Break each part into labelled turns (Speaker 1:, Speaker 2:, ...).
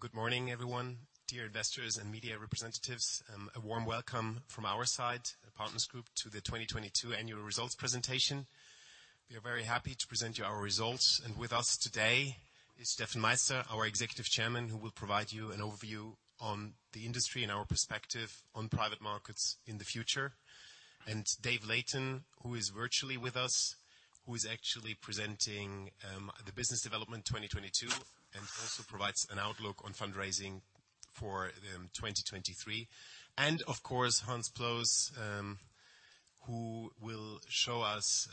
Speaker 1: Good morning, everyone, dear investors and media representatives. A warm welcome from our side, the Partners Group, to the 2022 annual results presentation. We are very happy to present you our results. With us today is Steffen Meister, our Executive Chairman, who will provide you an overview on the industry and our perspective on private markets in the future. David Layton, who is virtually with us, who is actually presenting the business development 2022, and also provides an outlook on fundraising for 2023. Of course, Hans Ploss, who will show us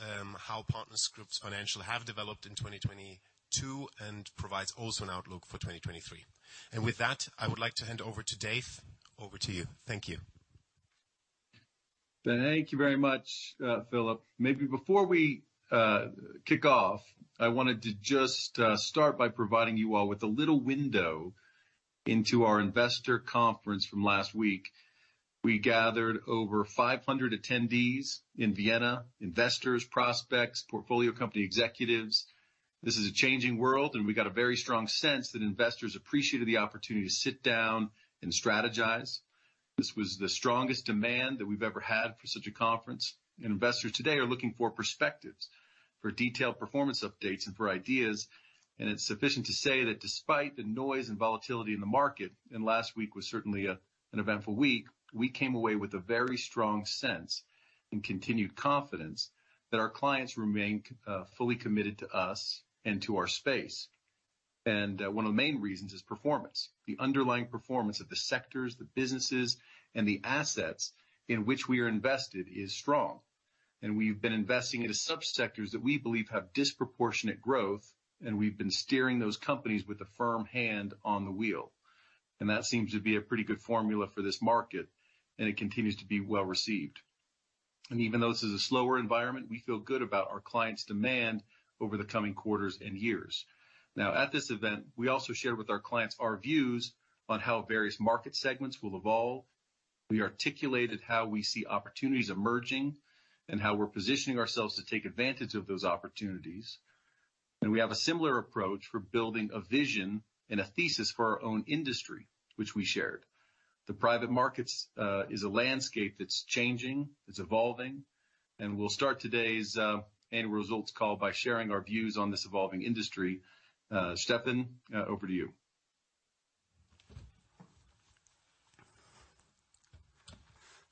Speaker 1: how Partners Group's financial have developed in 2022 and provides also an outlook for 2023. With that, I would like to hand over to Dave. Over to you. Thank you.
Speaker 2: Thank you very much, Philip. Maybe before we kick off, I wanted to just start by providing you all with a little window into our investor conference from last week. We gathered over 500 attendees in Vienna, investors, prospects, portfolio company executives. This is a changing world, and we got a very strong sense that investors appreciated the opportunity to sit down and strategize. This was the strongest demand that we've ever had for such a conference. Investors today are looking for perspectives, for detailed performance updates and for ideas. It's sufficient to say that despite the noise and volatility in the market, and last week was certainly an eventful week, we came away with a very strong sense and continued confidence that our clients remain fully committed to us and to our space. One of the main reasons is performance. The underlying performance of the sectors, the businesses, and the assets in which we are invested is strong. We've been investing into subsectors that we believe have disproportionate growth, and we've been steering those companies with a firm hand on the wheel. That seems to be a pretty good formula for this market, and it continues to be well-received. Even though this is a slower environment, we feel good about our clients' demand over the coming quarters and years. At this event, we also shared with our clients our views on how various market segments will evolve. We articulated how we see opportunities emerging and how we're positioning ourselves to take advantage of those opportunities. We have a similar approach for building a vision and a thesis for our own industry, which we shared. The private markets, is a landscape that's changing, it's evolving, and we'll start today's annual results call by sharing our views on this evolving industry. Steffen, over to you.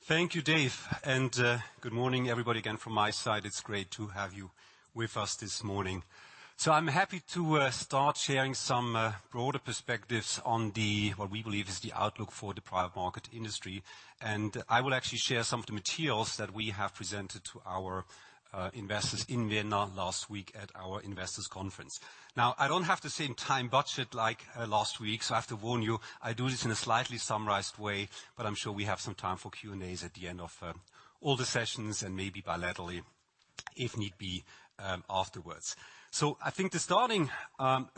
Speaker 3: Thank you, Dave. Good morning, everybody, again from my side. It's great to have you with us this morning. I'm happy to start sharing some broader perspectives on the, what we believe is the outlook for the private market industry. I will actually share some of the materials that we have presented to our investors in Vienna last week at our investors' conference. I don't have the same time budget like last week, so I have to warn you, I do this in a slightly summarized way, but I'm sure we have some time for Q&As at the end of all the sessions and maybe bilaterally if need be afterwards. I think the starting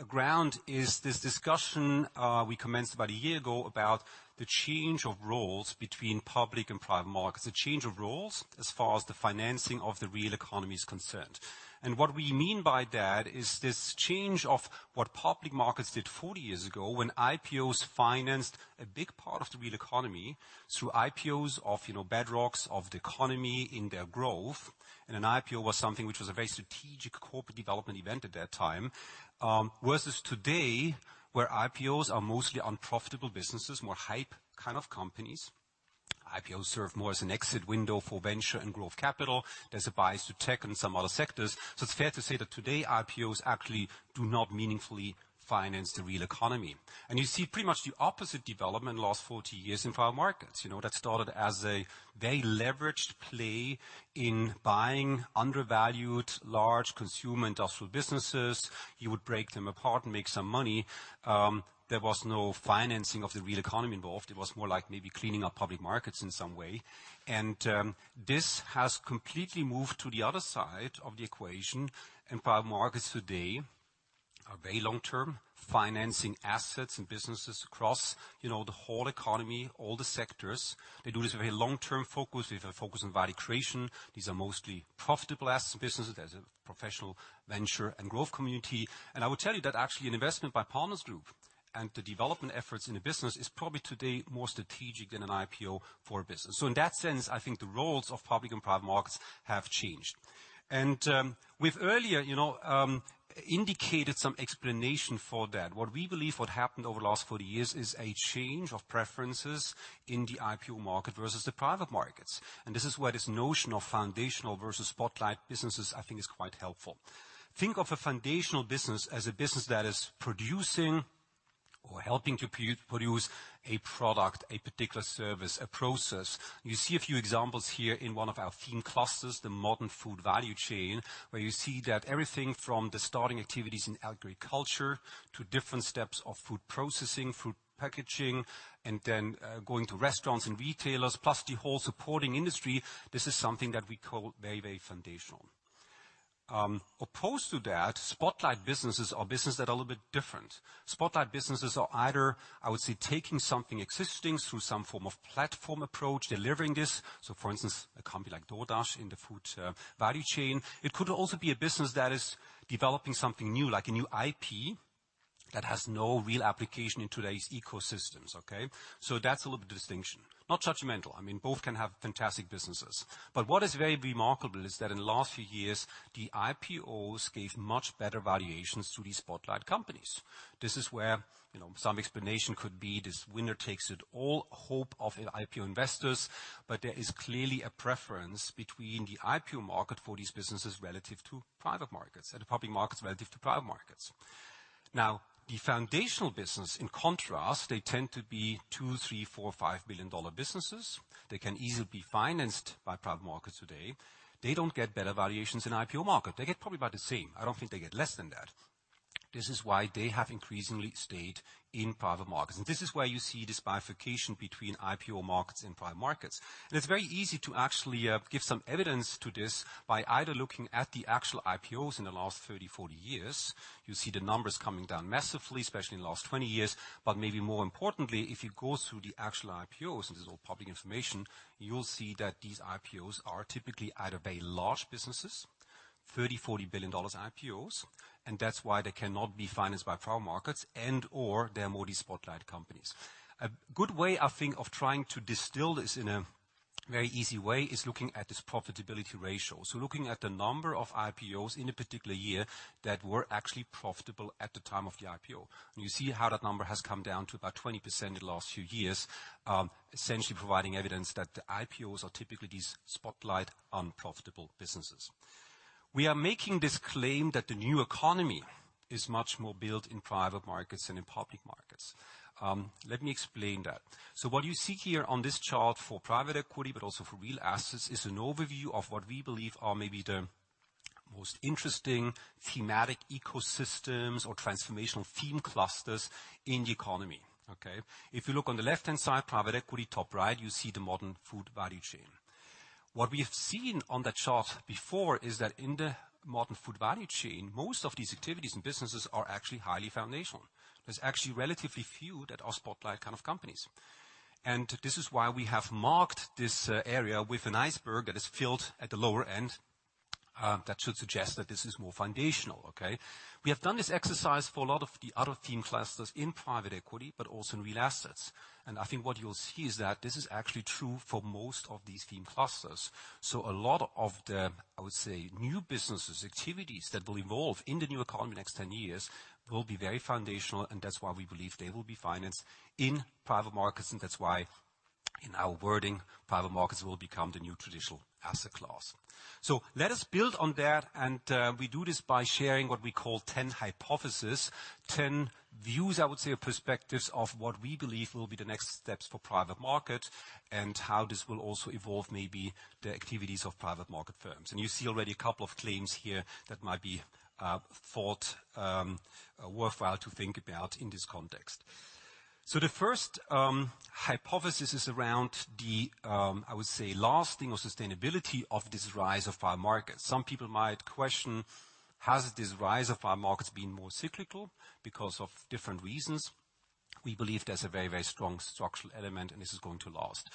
Speaker 3: ground is this discussion we commenced about a year ago about the change of roles between public and private markets, the change of roles as far as the financing of the real economy is concerned. What we mean by that is this change of what public markets did 40 years ago when IPOs financed a big part of the real economy through IPOs of, you know, bedrocks of the economy in their growth. An IPO was something which was a very strategic corporate development event at that time. Versus today, where IPOs are mostly unprofitable businesses, more hype kind of companies. IPOs serve more as an exit window for venture and growth capital. There's a bias to tech and some other sectors. It's fair to say that today, IPOs actually do not meaningfully finance the real economy. You see pretty much the opposite development in the last 40 years in private markets. You know, that started as a very leveraged play in buying undervalued large consumer industrial businesses. You would break them apart and make some money. There was no financing of the real economy involved. It was more like maybe cleaning up public markets in some way. This has completely moved to the other side of the equation. Private markets today are very long-term, financing assets and businesses across, you know, the whole economy, all the sectors. They do this very long-term focus. We have a focus on value creation. These are mostly profitable assets and businesses. There's a professional venture and growth community. I would tell you that actually an investment by Partners Group and the development efforts in the business is probably today more strategic than an IPO for a business. In that sense, I think the roles of public and private markets have changed. We've earlier, you know, indicated some explanation for that. What we believe what happened over the last 40 years is a change of preferences in the IPO market versus the private markets. This is where this notion of foundational versus spotlight businesses, I think, is quite helpful. Think of a foundational business as a business that is producing or helping to produce a product, a particular service, a process. You see a few examples here in one of our theme clusters, the modern food value chain, where you see that everything from the starting activities in agriculture to different steps of food processing, food packaging, and then, going to restaurants and retailers, plus the whole supporting industry, this is something that we call very, very foundational. Opposed to that, spotlight businesses are businesses that are a little bit different. Spotlight businesses are either, I would say, taking something existing through some form of platform approach, delivering this. For instance, a company like DoorDash in the food, value chain. It could also be a business that is developing something new, like a new IP that has no real application in today's ecosystems, okay? That's a little bit distinction, not judgmental. I mean, both can have fantastic businesses. What is very remarkable is that in the last few years, the IPOs gave much better valuations to these spotlight companies. This is where, you know, some explanation could be this winner takes it all hope of IPO investors. There is clearly a preference between the IPO market for these businesses relative to private markets, and the public markets relative to private markets. The foundational business, in contrast, they tend to be 2, 3, 4, 5 million dollar businesses. They can easily be financed by private markets today. They don't get better valuations in IPO market. They get probably about the same. I don't think they get less than that. This is why they have increasingly stayed in private markets, and this is where you see this bifurcation between IPO markets and private markets. It's very easy to actually give some evidence to this by either looking at the actual IPOs in the last 30, 40 years. You see the numbers coming down massively, especially in the last 20 years. Maybe more importantly, if you go through the actual IPOs, and this is all public information, you'll see that these IPOs are typically either very large businesses, $30 billion-$40 billion IPOs, and that's why they cannot be financed by private markets and/or they're more these spotlight companies. A good way I think of trying to distill this in a very easy way is looking at this profitability ratio. Looking at the number of IPOs in a particular year that were actually profitable at the time of the IPO. You see how that number has come down to about 20% in the last few years, essentially providing evidence that the IPOs are typically these spotlight unprofitable businesses. We are making this claim that the new economy is much more built in private markets than in public markets. Let me explain that. What you see here on this chart for private equity, but also for real assets, is an overview of what we believe are maybe the most interesting thematic ecosystems or transformational theme clusters in the economy, okay? If you look on the left-hand side, private equity, top right, you see the modern food value chain. What we have seen on that chart before is that in the modern food value chain, most of these activities and businesses are actually highly foundational. There's actually relatively few that are spotlight kind of companies. This is why we have marked this area with an iceberg that is filled at the lower end, that should suggest that this is more foundational, okay. We have done this exercise for a lot of the other theme clusters in private equity, but also in real assets. I think what you'll see is that this is actually true for most of these theme clusters. A lot of the, I would say, new businesses, activities that will evolve in the new economy in the next 10 years will be very foundational, and that's why we believe they will be financed in private markets, and that's why in our wording, private markets will become the new traditional asset class. Let us build on that, and we do this by sharing what we call 10 hypotheses, 10 views, I would say, or perspectives of what we believe will be the next steps for private market and how this will also evolve, maybe the activities of private market firms. You see already a couple of claims here that might be thought worthwhile to think about in this context. The first hypothesis is around the, I would say lasting or sustainability of this rise of private markets. Some people might question, has this rise of private markets been more cyclical because of different reasons? We believe there's a very, very strong structural element, and this is going to last.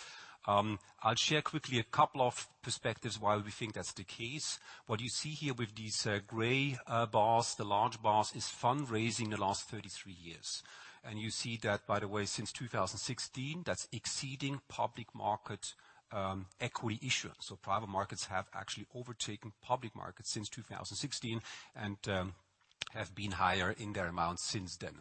Speaker 3: I'll share quickly a couple of perspectives why we think that's the case. What you see here with these gray bars, the large bars, is fundraising the last 33 years. You see that, by the way, since 2016, that's exceeding public market equity issuance. Private markets have actually overtaken public markets since 2016 and have been higher in their amounts since then.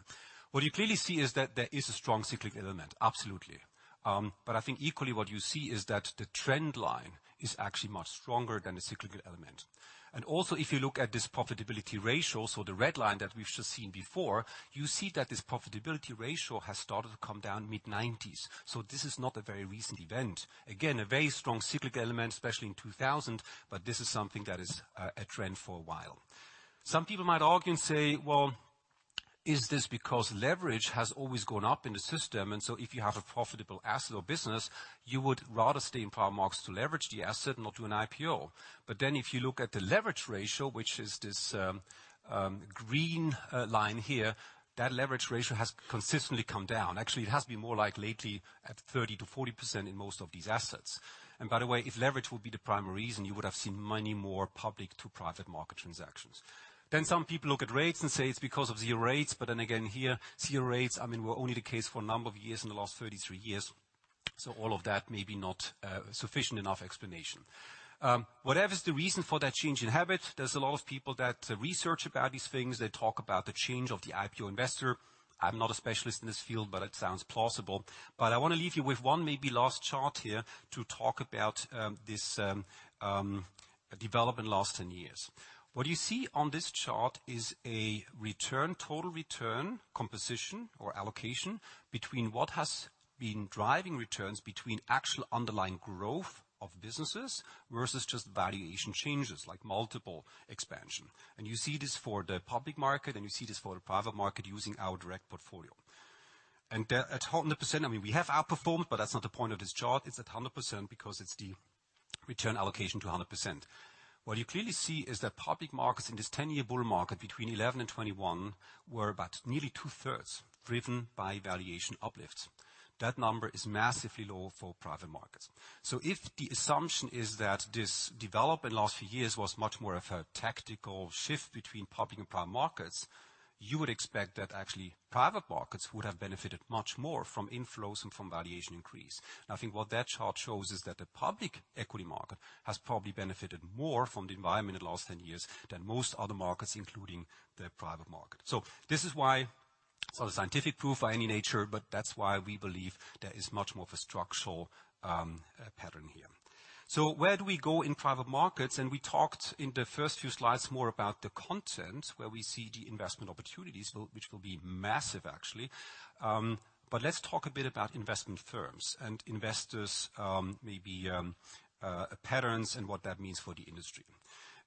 Speaker 3: What you clearly see is that there is a strong cyclical element, absolutely. I think equally what you see is that the trend line is actually much stronger than a cyclical element. If you look at this profitability ratio, so the red line that we've just seen before, you see that this profitability ratio has started to come down mid-90s. This is not a very recent event. A very strong cyclical element, especially in 2000, but this is something that is a trend for a while. Some people might argue and say, "Well, is this because leverage has always gone up in the system? If you have a profitable asset or business, you would rather stay in private markets to leverage the asset and not do an IPO." If you look at the leverage ratio, which is this green line here, that leverage ratio has consistently come down. Actually, it has been more like lately at 30%-40% in most of these assets. By the way, if leverage would be the primary reason, you would have seen many more public to private market transactions. Some people look at rates and say it's because of zero rates. Again, here, zero rates, I mean, were only the case for a number of years in the last 33 years. All of that may be not sufficient enough explanation. Whatever is the reason for that change in habit, there's a lot of people that research about these things. They talk about the change of the IPO investor. I'm not a specialist in this field, but it sounds plausible. I wanna leave you with one maybe last chart here to talk about this development in the last 10 years. What you see on this chart is a return, total return composition or allocation between what has been driving returns between actual underlying growth of businesses versus just valuation changes like multiple expansion. You see this for the public market, and you see this for the private market using our direct portfolio. At 100%, I mean, we have outperformed, but that's not the point of this chart. It's at 100% because it's the return allocation to 100%. What you clearly see is that public markets in this 10-year bull market between 11 and 21 were about nearly two-thirds driven by valuation uplifts. That number is massively low for private markets. If the assumption is that this development in the last few years was much more of a tactical shift between public and private markets, you would expect that actually private markets would have benefited much more from inflows and from valuation increase. I think what that chart shows is that the public equity market has probably benefited more from the environment in the last 10 years than most other markets, including the private market. This is why it's not a scientific proof by any nature, but that's why we believe there is much more of a structural pattern here. Where do we go in private markets? We talked in the first few slides more about the content, where we see the investment opportunities which will be massive, actually. Let's talk a bit about investment firms and investors, maybe patterns and what that means for the industry.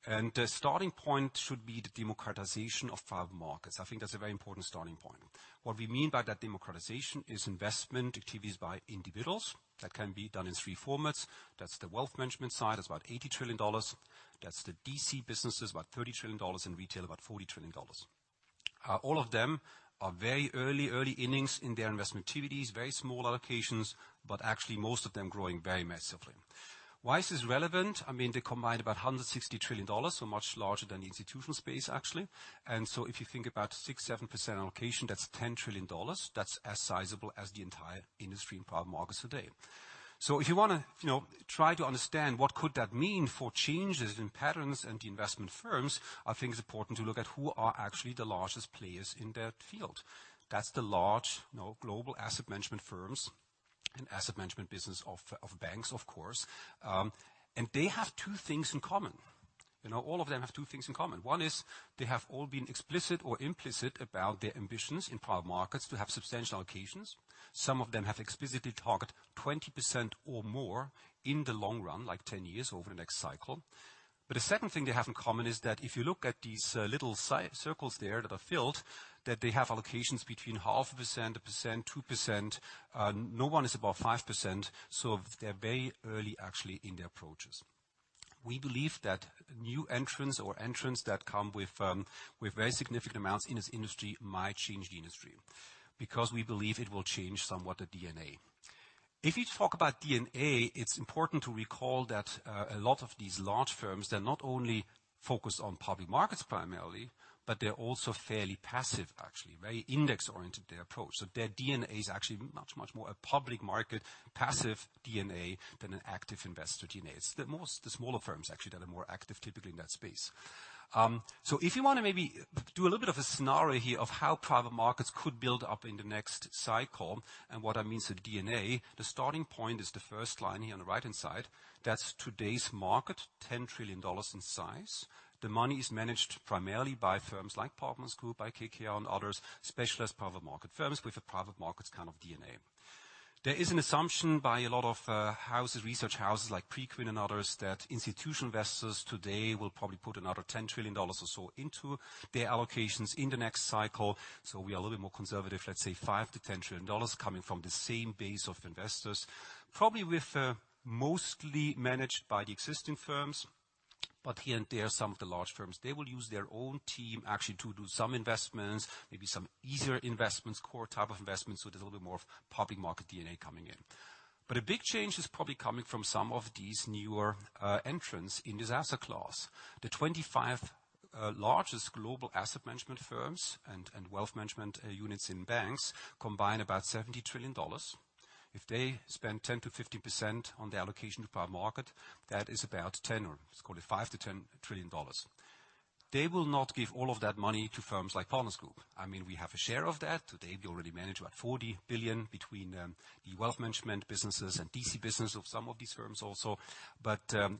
Speaker 3: The starting point should be the democratization of private markets. I think that's a very important starting point. What we mean by that democratization is investment activities by individuals. That can be done in three formats. That's the wealth management side, it's about $80 trillion. That's the DC businesses, about $30 trillion, and retail, about $40 trillion. All of them are very early innings in their investment activities, very small allocations, but actually most of them growing very massively. Why is this relevant? I mean, they combine about $160 trillion, so much larger than the institutional space, actually. If you think about 6%, 7% allocation, that's $10 trillion. That's as sizable as the entire industry in private markets today. If you wanna, you know, try to understand what could that mean for changes in patterns and the investment firms, I think it's important to look at who are actually the largest players in that field. That's the large, you know, global asset management firms and asset management business of banks, of course. They have two things in common. You know, all of them have two things in common. One is they have all been explicit or implicit about their ambitions in private markets to have substantial allocations. Some of them have explicitly target 20% or more in the long run, like 10 years over the next cycle. The second thing they have in common is that if you look at these little circles there that are filled, that they have allocations between 0.5%, 1%, 2%. No one is above 5%, so they're very early actually in their approaches. We believe that new entrants or entrants that come with very significant amounts in this industry might change the industry, because we believe it will change somewhat the DNA. If you talk about DNA, it's important to recall that a lot of these large firms, they're not only focused on public markets primarily, but they're also fairly passive, actually, very index-oriented, their approach. Their DNA is actually much more a public market, passive DNA than an active investor DNA. It's the smaller firms actually that are more active typically in that space. If you wanna maybe do a little bit of a scenario here of how private markets could build up in the next cycle and what that means to DNA, the starting point is the first line here on the right-hand side. That's today's market, $10 trillion in size. The money is managed primarily by firms like Partners Group, by KKR and others, specialist private market firms with a private markets kind of DNA. There is an assumption by a lot of houses, research houses like Preqin and others, that institutional investors today will probably put another $10 trillion or so into their allocations in the next cycle. We are a little bit more conservative, let's say $5 trillion-$10 trillion coming from the same base of investors. Probably with mostly managed by the existing firms, but here and there, some of the large firms. They will use their own team actually to do some investments, maybe some easier investments, core type of investments. There's a little bit more of public market DNA coming in. A big change is probably coming from some of these newer entrants in this asset class. The 25 largest global asset management firms and wealth management units in banks combine about $70 trillion. If they spend 10%-15% on the allocation of private market, that is about $10 trillion, or let's call it $5 trillion-$10 trillion. They will not give all of that money to firms like Partners Group. I mean, we have a share of that. Today, we already manage about $40 billion between the wealth management businesses and DC business of some of these firms also.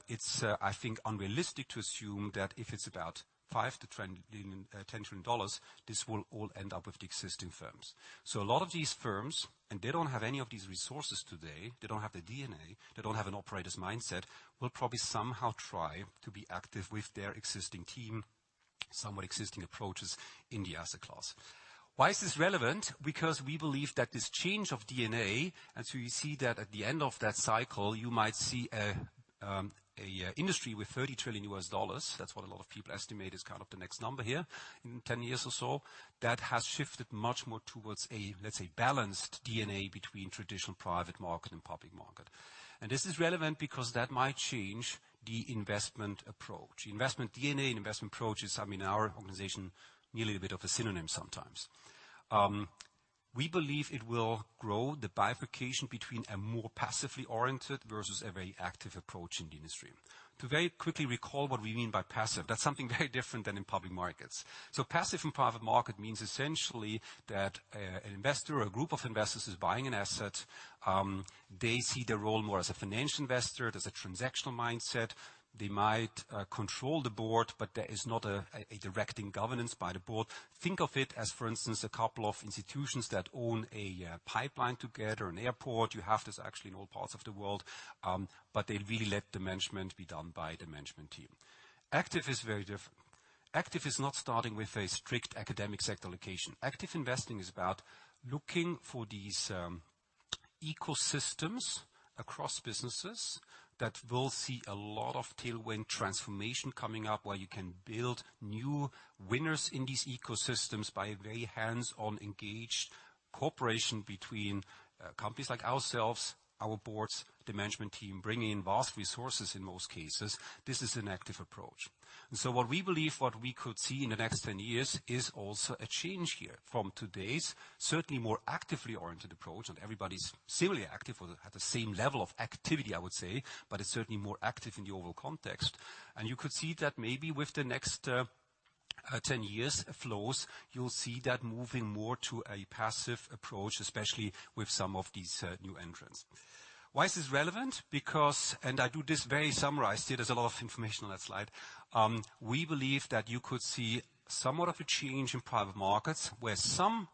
Speaker 3: It's I think unrealistic to assume that if it's about $5 trillion-$10 trillion, this will all end up with the existing firms. A lot of these firms, and they don't have any of these resources today, they don't have the DNA, they don't have an operator's mindset, will probably somehow try to be active with their existing team, somewhat existing approaches in the asset class. Why is this relevant? We believe that this change of DNA. You see that at the end of that cycle, you might see a industry with $30 trillion. That's what a lot of people estimate is kind of the next number here in 10 years or so. That has shifted much more towards a, let's say, balanced DNA between traditional private market and public market. This is relevant because that might change the investment approach. Investment DNA and investment approaches, I mean, our organization, nearly a bit of a synonym sometimes. We believe it will grow the bifurcation between a more passively oriented versus a very active approach in the industry. To very quickly recall what we mean by passive, that's something very different than in public markets. Passive in private market means essentially that an investor or a group of investors is buying an asset. They see their role more as a financial investor. There's a transactional mindset. They might control the board, but there is not a directing governance by the board. Think of it as, for instance, a couple of institutions that own a pipeline together, an airport. You have this actually in all parts of the world. They really let the management be done by the management team. Active is very different. Active is not starting with a strict academic sector location. Active investing is about looking for these ecosystems across businesses that will see a lot of tailwind transformation coming up, where you can build new winners in these ecosystems by very hands-on engaged cooperation between companies like ourselves, our boards, the management team, bringing in vast resources in most cases. This is an active approach. What we believe what we could see in the next 10 years is also a change here from today's certainly more actively oriented approach. Everybody's similarly active or at the same level of activity, I would say, but it's certainly more active in the overall context. You could see that maybe with the next 10 years flows, you'll see that moving more to a passive approach, especially with some of these new entrants. Why is this relevant? Because... I do this very summarized here. There's a lot of information on that slide. We believe that you could see somewhat of a change in private markets, where some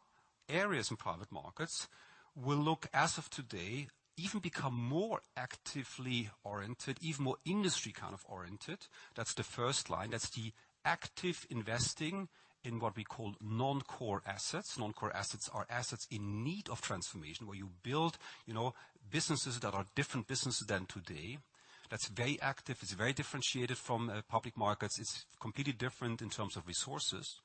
Speaker 3: areas in private markets will look, as of today, even become more actively oriented, even more industry kind of oriented. That's the first line. That's the active investing in what we call non-core assets. Non-core assets are assets in need of transformation, where you build, you know, businesses that are different businesses than today. That's very active. It's very differentiated from public markets. It's completely different in terms of resources.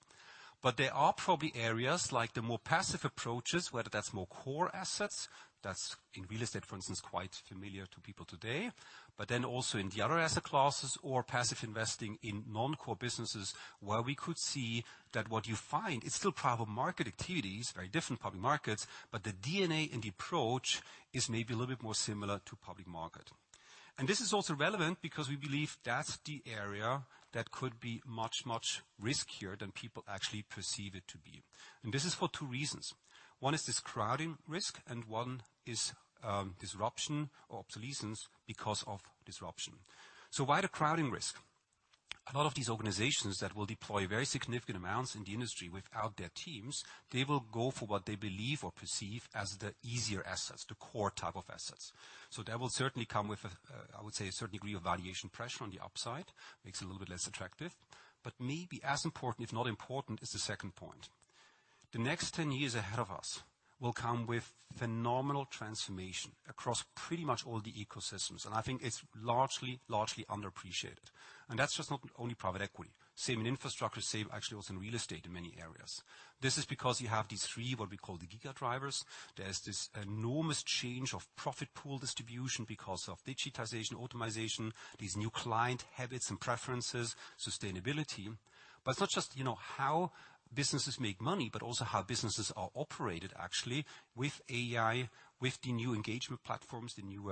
Speaker 3: There are probably areas like the more passive approaches, whether that's more core assets, that's in real estate, for instance, quite familiar to people today, but then also in the other asset classes or passive investing in non-core businesses, where we could see that what you find is still private market activities, very different public markets, but the DNA and the approach is maybe a little bit more similar to public market. This is also relevant because we believe that's the area that could be much, much riskier than people actually perceive it to be. This is for two reasons. One is this crowding risk, and one is disruption or obsolescence because of disruption. Why the crowding risk? A lot of these organizations that will deploy very significant amounts in the industry without their teams, they will go for what they believe or perceive as the easier assets, the core type of assets. That will certainly come with a certain degree of valuation pressure on the upside. Makes it a little bit less attractive. Maybe as important, if not important, is the second point. The next 10 years ahead of us will come with phenomenal transformation across pretty much all the ecosystems, and I think it's largely underappreciated. That's just not only private equity. Same in infrastructure, same actually also in real estate in many areas. This is because you have these three, what we call the giga themes. There's this enormous change of profit pool distribution because of digitization, automization, these new client habits and preferences, sustainability. It's not just, you know, how businesses make money, but also how businesses are operated actually with AI, with the new engagement platforms, the new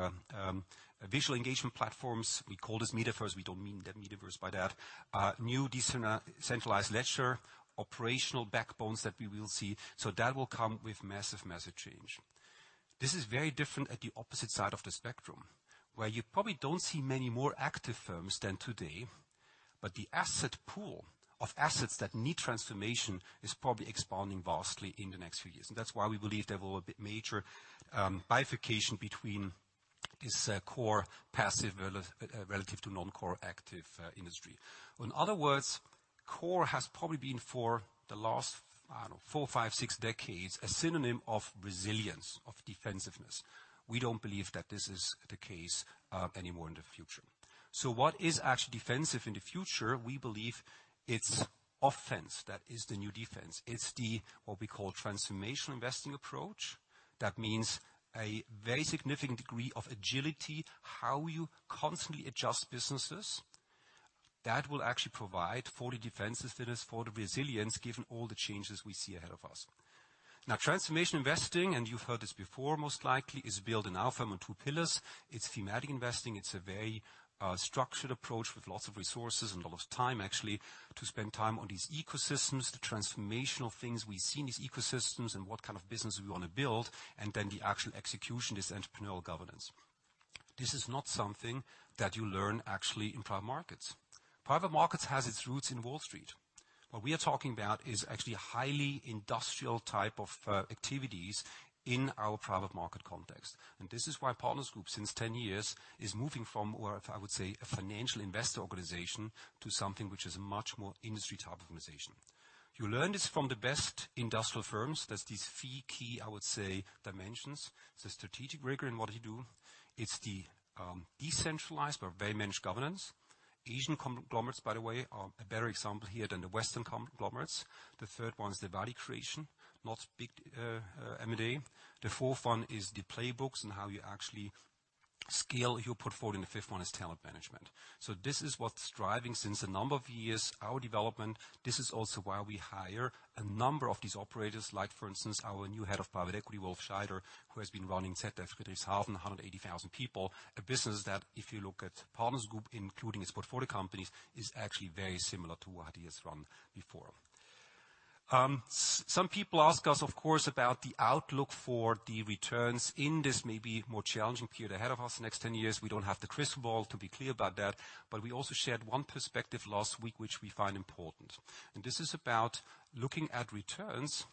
Speaker 3: visual engagement platforms. We call this metaverse. We don't mean the metaverse by that. New decentralized ledger, operational backbones that we will see. That will come with massive change. This is very different at the opposite side of the spectrum, where you probably don't see many more active firms than today, but the asset pool of assets that need transformation is probably expanding vastly in the next few years. That's why we believe there will be major bifurcation between this core passive relative to non-core active industry. In other words, core has probably been for the last, I don't know, four, five, six decades, a synonym of resilience, of defensiveness. We don't believe that this is the case, anymore in the future. What is actually defensive in the future? We believe it's offense that is the new defense. It's the what we call Transformational Investing approach. That means a very significant degree of agility, how you constantly adjust businesses. That will actually provide for the defenses, that is for the resilience, given all the changes we see ahead of us. Transformation Investing, and you've heard this before, most likely, is built in our firm on two pillars. It's Thematic Investing. It's a very structured approach with lots of resources and a lot of time, actually, to spend time on these ecosystems, the transformational things we see in these ecosystems and what kind of business we wanna build, and then the actual execution is Entrepreneurial Governance. This is not something that you learn actually in private markets. Private markets has its roots in Wall Street. What we are talking about is actually a highly industrial type of activities in our private market context. This is why Partners Group, since 10 years, is moving from more, I would say, a financial investor organization to something which is much more industry type of organization. You learn this from the best industrial firms. There's these three key, I would say, dimensions. The strategic rigor in what you do. It's the decentralized but very managed governance. Asian conglomerates, by the way, are a better example here than the Western conglomerates. The third one is the value creation, not big M&A. The fourth one is the playbooks and how you actually scale your portfolio. The fifth one is talent management. This is what's driving since a number of years our development. This is also why we hire a number of these operators, like for instance, our new Head of Private Equity, Wolf-Henning Scheider, who has been running ZF Friedrichshafen, 180,000 people. A business that if you look at Partners Group, including its portfolio companies, is actually very similar to what he has run before. Some people ask us, of course, about the outlook for the returns in this maybe more challenging period ahead of us the next 10 years. We don't have the crystal ball to be clear about that, but we also shared one perspective last week, which we find important. This is about looking at returns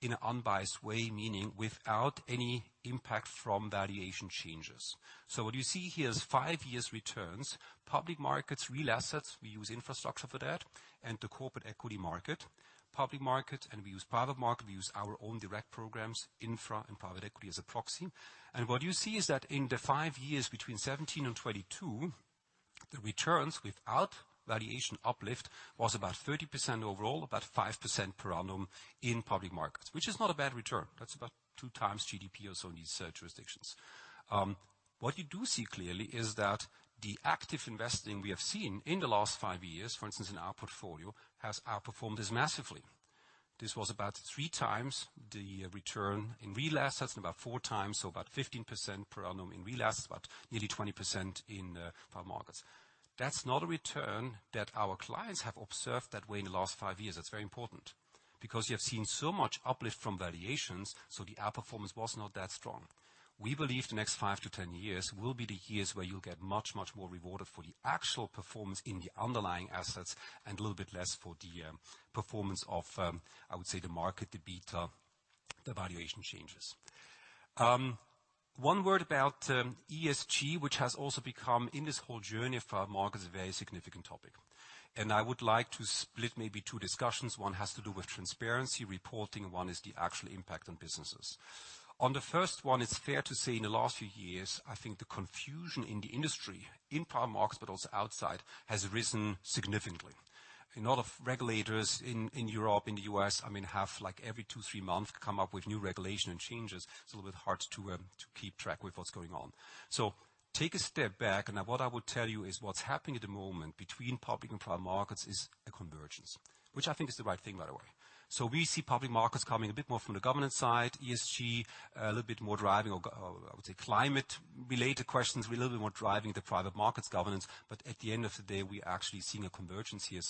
Speaker 3: in an unbiased way, meaning without any impact from valuation changes. What you see here is five years returns, public markets, real assets. We use infrastructure for that and the corporate equity market, public market, we use private market. We use our own direct programs, infra and private equity as a proxy. What you see is that in the five years between 2017 and 2022, the returns without valuation uplift was about 30% overall, about 5% per annum in public markets. Which is not a bad return. That's about two times GDP also in these jurisdictions. What you do see clearly is that the active investing we have seen in the last five years, for instance, in our portfolio, has outperformed this massively. This was about three times the return in real assets, and about four times, so about 15% per annum in real assets, but nearly 20% in private markets. That's not a return that our clients have observed that way in the last five years. That's very important. You have seen so much uplift from valuations, so the outperformance was not that strong. We believe the next 5-10 years will be the years where you'll get much more rewarded for the actual performance in the underlying assets and a little bit less for the performance of, I would say, the market, the beta, the valuation changes. One word about ESG, which has also become, in this whole journey of private markets, a very significant topic. I would like to split maybe two discussions. One has to do with transparency reporting, one is the actual impact on businesses. On the first one, it's fair to say in the last few years, I think the confusion in the industry, in private markets, but also outside, has risen significantly. A lot of regulators in Europe, in the U.S., I mean, have, like, every two, three months come up with new regulation and changes. It's a little bit hard to keep track with what's going on. Take a step back, and what I would tell you is what's happening at the moment between public and private markets is a convergence. Which I think is the right thing, by the way. We see public markets coming a bit more from the governance side, ESG, a little bit more driving or I would say climate-related questions, a little bit more driving the private markets governance. At the end of the day, we are actually seeing a convergence here.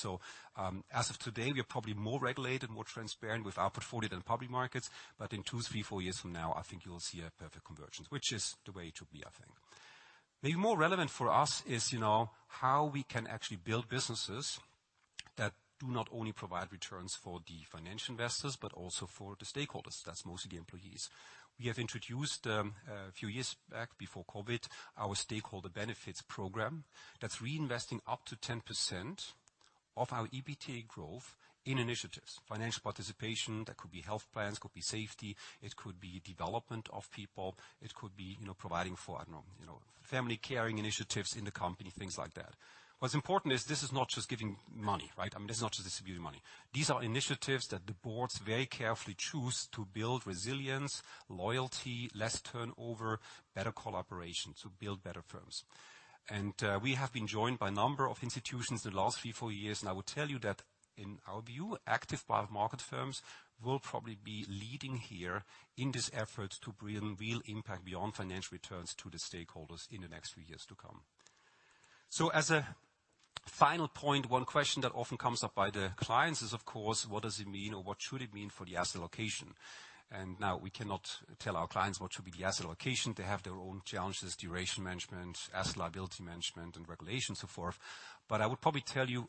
Speaker 3: As of today, we are probably more regulated, more transparent with our portfolio than public markets. In two, three, four years from now, I think you'll see a perfect convergence, which is the way it should be, I think. Maybe more relevant for us is, you know, how we can actually build businesses that do not only provide returns for the financial investors, but also for the stakeholders. That's mostly employees. We have introduced a few years back before COVID, our Stakeholder Benefits Program that's reinvesting up to 10% of our EBT growth in initiatives, financial participation. That could be health plans, could be safety, it could be development of people. It could be, you know, providing for, I don't know, you know, family caring initiatives in the company, things like that. What's important is this is not just giving money, right? I mean, this is not just distributing money. These are initiatives that the boards very carefully choose to build resilience, loyalty, less turnover, better collaboration. To build better firms. We have been joined by a number of institutions in the last three, four years. I will tell you that in our view, active private market firms will probably be leading here in this effort to bring real impact beyond financial returns to the stakeholders in the next few years to come. As a final point, one question that often comes up by the clients is, of course, what does it mean or what should it mean for the asset allocation? Now we cannot tell our clients what should be the asset allocation. They have their own challenges, duration management, asset liability management and regulation, so forth. I would probably tell you,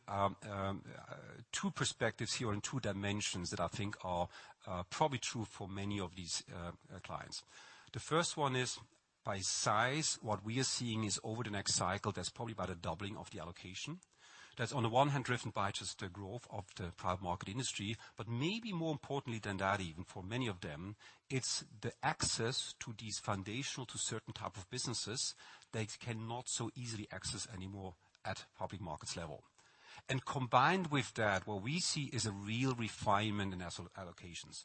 Speaker 3: two perspectives here and two dimensions that I think are probably true for many of these clients. The first one is by size. What we are seeing is over the next cycle, there's probably about a doubling of the allocation. That's on the one hand, driven by just the growth of the private market industry. Maybe more importantly than that, even for many of them, it's the access to these foundational to certain type of businesses they cannot so easily access anymore at public markets level. Combined with that, what we see is a real refinement in asset allocations.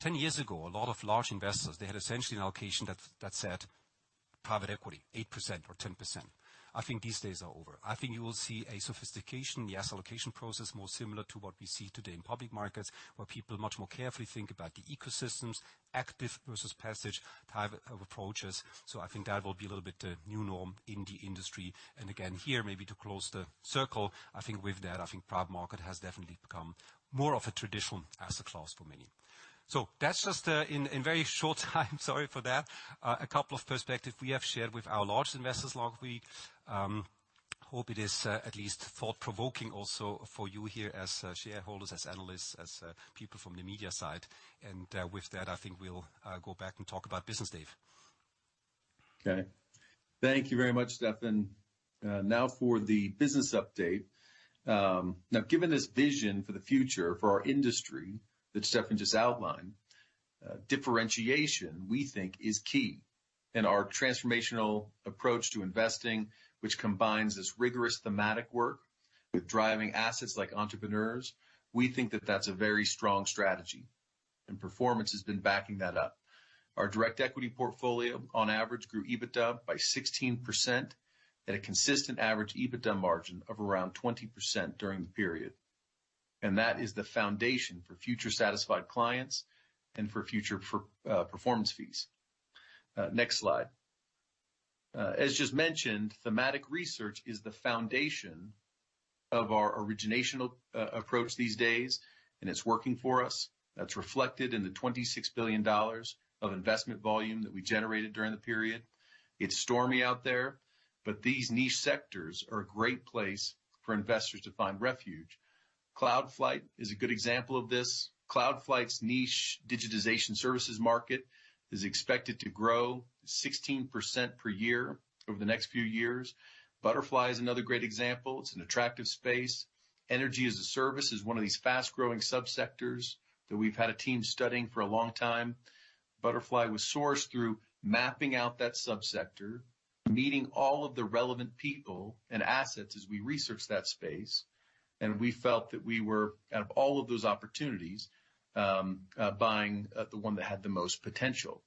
Speaker 3: 10 years ago, a lot of large investors, they had essentially an allocation that said private equity, 8% or 10%. I think these days are over. I think you will see a sophistication in the asset allocation process, more similar to what we see today in public markets, where people much more carefully think about the ecosystems, active versus passive type of approaches. I think that will be a little bit the new norm in the industry. Again, here, maybe to close the circle, I think with that, I think private market has definitely become more of a traditional asset class for many. That's just in very short time, sorry for that. A couple of perspectives we have shared with our large investors.
Speaker 2: Okay. Thank you very much, Steffen. Now for the business update. Now, given this vision for the future, for our industry that Steffen just outlined, differentiation we think is key. Our Transformational approach to investing, which combines this rigorous Thematic work with driving assets like entrepreneurs, we think that that's a very strong strategy, and performance has been backing that up. Our direct equity portfolio on average grew EBITDA by 16% at a consistent average EBITDA margin of around 20% during the period. That is the foundation for future satisfied clients and for future performance fees. Next slide. As just mentioned, Thematic research is the foundation of our originational approach these days. It's working for us. That's reflected in the $26 billion of investment volume that we generated during the period. It's stormy out there, but these niche sectors are a great place for investors to find refuge. Cloudflight is a good example of this. Cloudflight's niche digitization services market is expected to grow 16% per year over the next few years. Budderfly is another great example. It's an attractive space. Energy-as-a-Service is one of these fast-growing sub-sectors that we've had a team studying for a long time. Budderfly was sourced through mapping out that sub-sector, meeting all of the relevant people and assets as we researched that space, and we felt that we were, out of all of those opportunities, buying the one that had the most potential.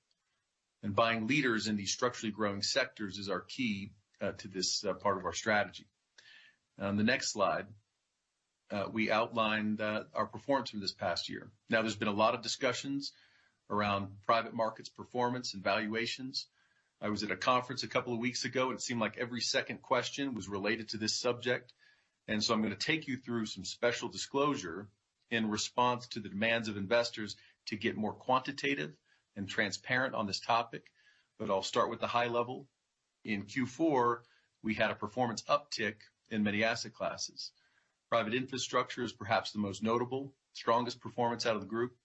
Speaker 2: Buying leaders in these structurally growing sectors is our key to this part of our strategy. On the next slide, we outlined our performance from this past year. Now there's been a lot of discussions around private markets performance and valuations. I was at a conference a couple weeks ago, it seemed like every second question was related to this subject. I'm gonna take you through some special disclosure in response to the demands of investors to get more quantitative and transparent on this topic, but I'll start with the high level. In Q4, we had a performance uptick in many asset classes. Private infrastructure is perhaps the most notable, strongest performance out of the group.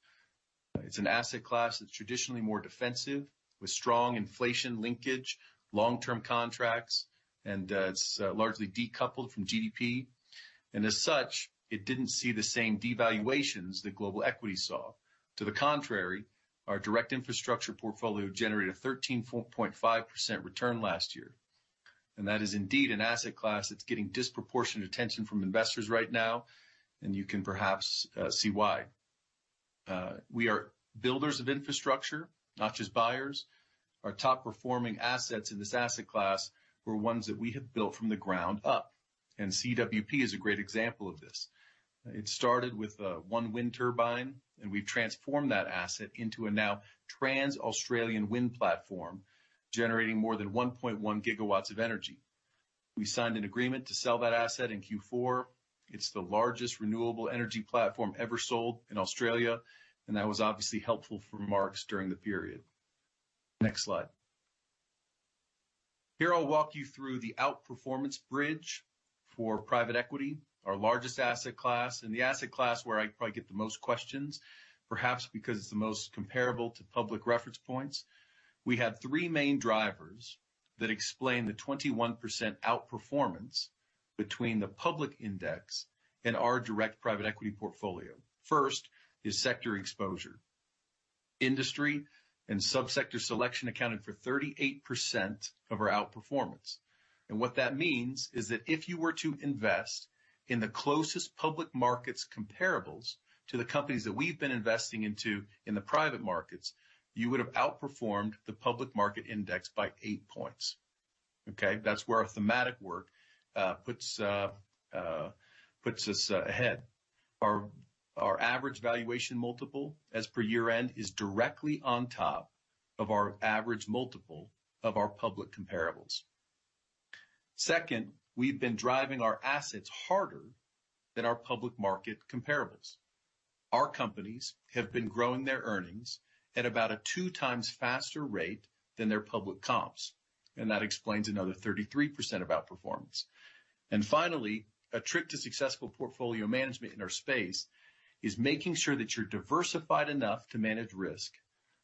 Speaker 2: It's an asset class that's traditionally more defensive, with strong inflation linkage, long-term contracts, and it's largely decoupled from GDP. As such, it didn't see the same devaluations that global equity saw. To the contrary, our direct infrastructure portfolio generated 13.5% return last year. That is indeed an asset class that's getting disproportionate attention from investors right now, and you can perhaps see why. We are builders of infrastructure, not just buyers. Our top-performing assets in this asset class were ones that we have built from the ground up, and CWP is a great example of this. It started with one wind turbine, and we've transformed that asset into a now trans-Australian wind platform, generating more than 1.1 GW of energy. We signed an agreement to sell that asset in Q4. It's the largest renewable energy platform ever sold in Australia. That was obviously helpful for marks during the period. Next slide. Here, I'll walk you through the outperformance bridge for private equity, our largest asset class, and the asset class where I probably get the most questions, perhaps because it's the most comparable to public reference points. We have three main drivers that explain the 21% outperformance between the public index and our direct private equity portfolio. First is sector exposure. Industry and sub-sector selection accounted for 38% of our outperformance. What that means is that if you were to invest in the closest public markets comparables to the companies that we've been investing into in the private markets, you would have outperformed the public market index by 8 points. Okay? That's where our thematic work puts us ahead. Our average valuation multiple as per year-end is directly on top of our average multiple of our public comparables. We've been driving our assets harder than our public market comparables. Our companies have been growing their earnings at about a two times faster rate than their public comps, that explains another 33% of outperformance. Finally, a trick to successful portfolio management in our space is making sure that you're diversified enough to manage risk,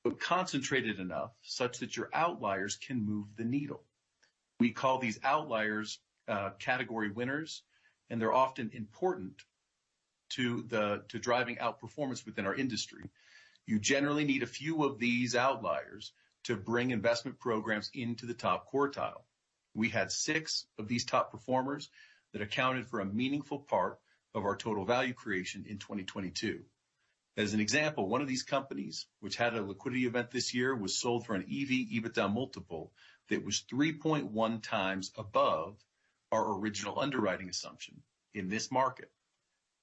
Speaker 2: but concentrated enough such that your outliers can move the needle. We call these outliers, category winners, they're often important to driving outperformance within our industry. You generally need a few of these outliers to bring investment programs into the top quartile. We had six of these top performers that accounted for a meaningful part of our total value creation in 2022. As an example, one of these companies which had a liquidity event this year was sold for an EV/EBITDA multiple that was 3.1x above our original underwriting assumption in this market.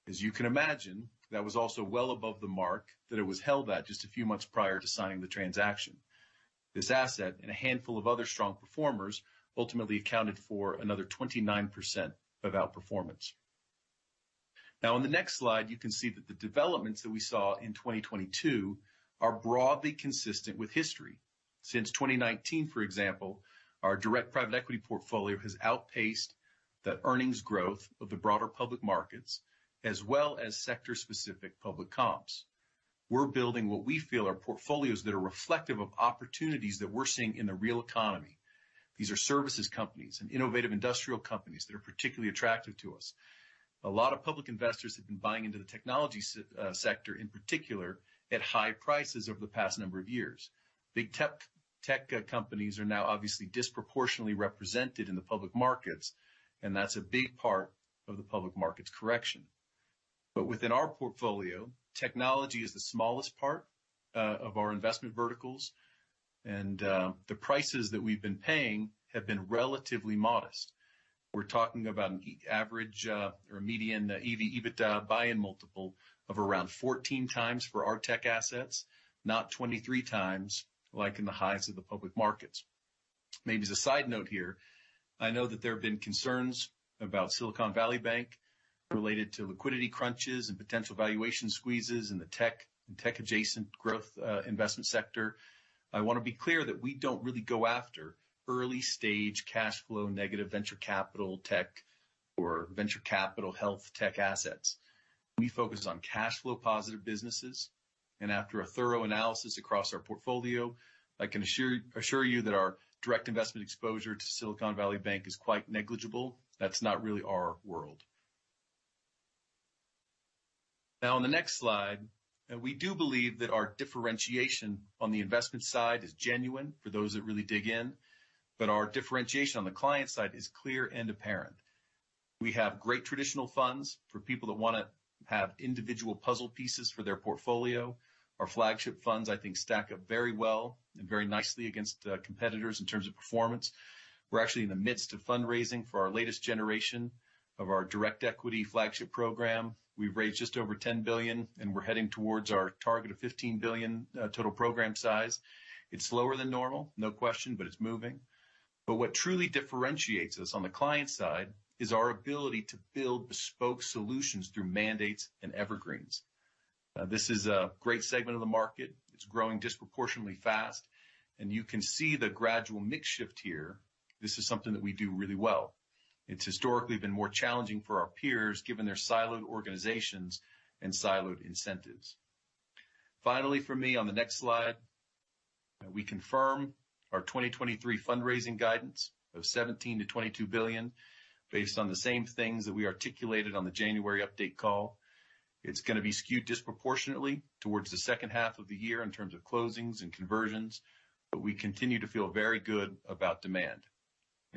Speaker 2: As you can imagine, that was also well above the mark that it was held at just a few months prior to signing the transaction. This asset and a handful of other strong performers ultimately accounted for another 29% of outperformance. In the next slide, you can see that the developments that we saw in 2022 are broadly consistent with history. Since 2019, for example, our direct private equity portfolio has outpaced the earnings growth of the broader public markets, as well as sector-specific public comps. We're building what we feel are portfolios that are reflective of opportunities that we're seeing in the real economy. These are services companies and innovative industrial companies that are particularly attractive to us. A lot of public investors have been buying into the technology sector, in particular at high prices over the past number of years. Big tech companies are now obviously disproportionately represented in the public markets, and that's a big part of the public markets correction. Within our portfolio, technology is the smallest part of our investment verticals. The prices that we've been paying have been relatively modest. We're talking about an average, or median EV/EBITDA buy-in multiple of around 14 times for our tech assets, not 23 times like in the highs of the public markets. Maybe as a side note here, I know that there have been concerns about Silicon Valley Bank related to liquidity crunches and potential valuation squeezes in the tech and tech adjacent growth investment sector. I wanna be clear that we don't really go after early-stage cash flow negative venture capital tech or venture capital health tech assets. We focus on cash flow positive businesses, and after a thorough analysis across our portfolio, I can assure you that our direct investment exposure to Silicon Valley Bank is quite negligible. That's not really our world. On the next slide, we do believe that our differentiation on the investment side is genuine for those that really dig in, but our differentiation on the client side is clear and apparent. We have great traditional funds for people that wanna have individual puzzle pieces for their portfolio. Our flagship funds, I think, stack up very well and very nicely against competitors in terms of performance. We're actually in the midst of fundraising for our latest generation of our direct equity flagship program. We've raised just over $10 billion, and we're heading towards our target of $15 billion total program size. It's slower than normal, no question, but it's moving. What truly differentiates us on the client side is our ability to build bespoke solutions through mandates and evergreens. This is a great segment of the market. It's growing disproportionately fast. You can see the gradual mix shift here. This is something that we do really well. It's historically been more challenging for our peers, given their siloed organizations and siloed incentives. Finally, for me on the next slide, we confirm our 2023 fundraising guidance of $17 billion-$22 billion based on the same things that we articulated on the January update call. It's gonna be skewed disproportionately towards the second half of the year in terms of closings and conversions, but we continue to feel very good about demand.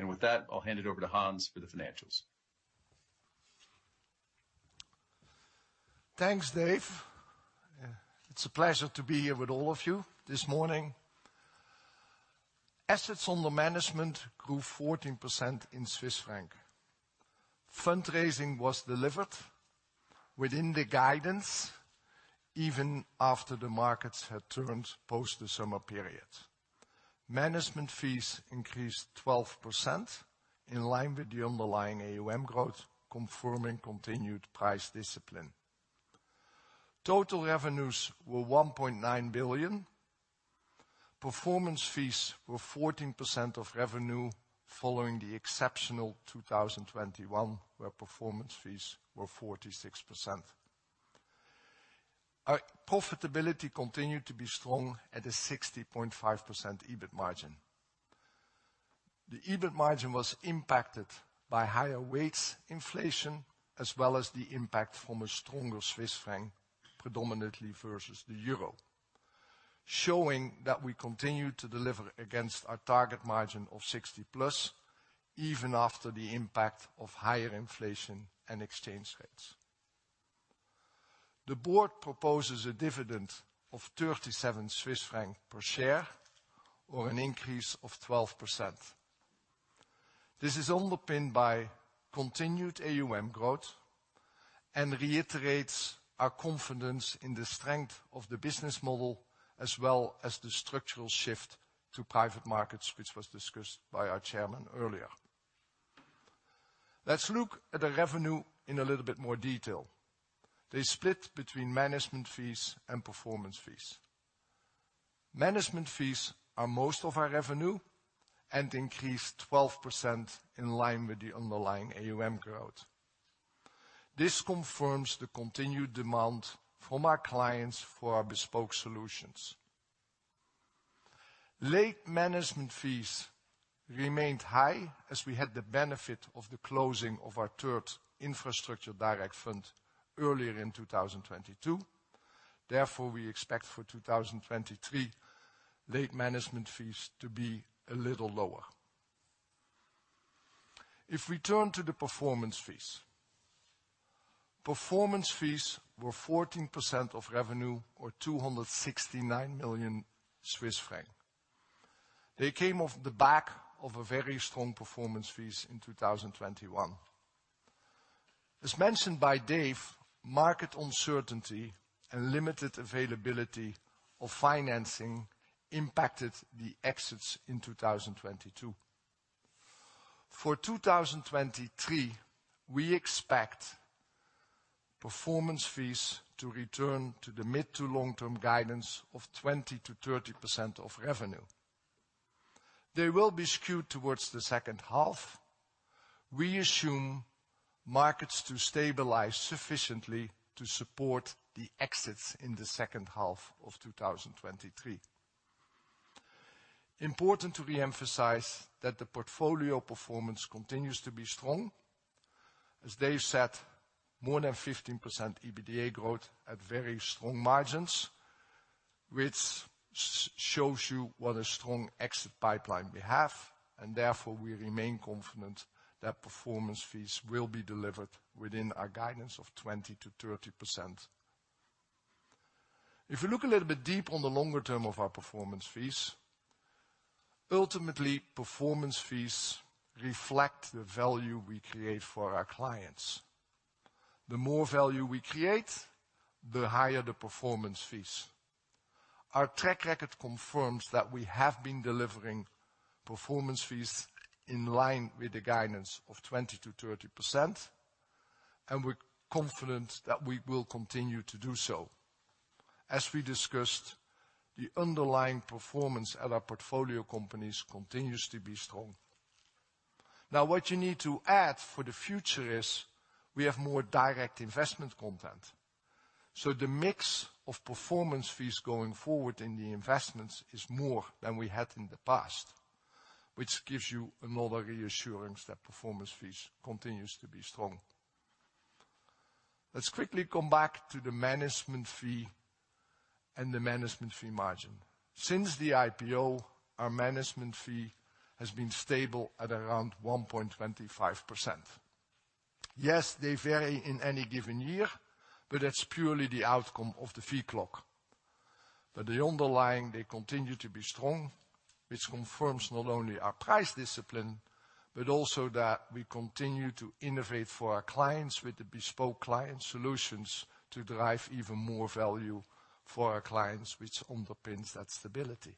Speaker 2: With that, I'll hand it over to Hans for the financials.
Speaker 4: Thanks, Dave. It's a pleasure to be here with all of you this morning. Assets under management grew 14% in CHF. Fundraising was delivered within the guidance even after the markets had turned post the summer period. Management fees increased 12% in line with the underlying AUM growth, confirming continued price discipline. Total revenues were 1.9 billion. Performance fees were 14% of revenue following the exceptional 2021, where performance fees were 46%. Our profitability continued to be strong at a 60.5% EBIT margin. The EBIT margin was impacted by higher weights inflation as well as the impact from a stronger Swiss franc, predominantly versus the euro, showing that we continue to deliver against our target margin of 60+ even after the impact of higher inflation and exchange rates. The board proposes a dividend of 37 Swiss francs per share or an increase of 12%. This is underpinned by continued AUM growth and reiterates our confidence in the strength of the business model as well as the structural shift to private markets, which was discussed by our chairman earlier. Let's look at the revenue in a little bit more detail. They split between management fees and performance fees. Management fees are most of our revenue and increased 12% in line with the underlying AUM growth. This confirms the continued demand from our clients for our bespoke solutions. Late management fees remained high as we had the benefit of the closing of our third infrastructure direct fund earlier in 2022. Therefore, we expect for 2023 late management fees to be a little lower. If we turn to the performance fees. Performance fees were 14% of revenue or 269 million Swiss francs. They came off the back of a very strong performance fees in 2021. As mentioned by Dave, market uncertainty and limited availability of financing impacted the exits in 2022. For 2023, we expect performance fees to return to the mid to long-term guidance of 20%-30% of revenue. They will be skewed towards the second half. We assume markets to stabilize sufficiently to support the exits in the second half of 2023. Important to reemphasize that the portfolio performance continues to be strong. As Dave said, more than 15% EBITDA growth at very strong margins, which shows you what a strong exit pipeline we have, and therefore we remain confident that performance fees will be delivered within our guidance of 20%-30%. If you look a little bit deep on the longer term of our performance fees, ultimately, performance fees reflect the value we create for our clients. The more value we create, the higher the performance fees. Our track record confirms that we have been delivering performance fees in line with the guidance of 20%-30%, and we're confident that we will continue to do so. As we discussed, the underlying performance at our portfolio companies continues to be strong. Now, what you need to add for the future is we have more direct investment content. The mix of performance fees going forward in the investments is more than we had in the past, which gives you another reassurance that performance fees continues to be strong. Let's quickly come back to the management fee and the management fee margin. Since the IPO, our management fee has been stable at around 1.25%. Yes, they vary in any given year, but that's purely the outcome of the fee clock. The underlying, they continue to be strong, which confirms not only our price discipline, but also that we continue to innovate for our clients with the bespoke client solutions to derive even more value for our clients, which underpins that stability.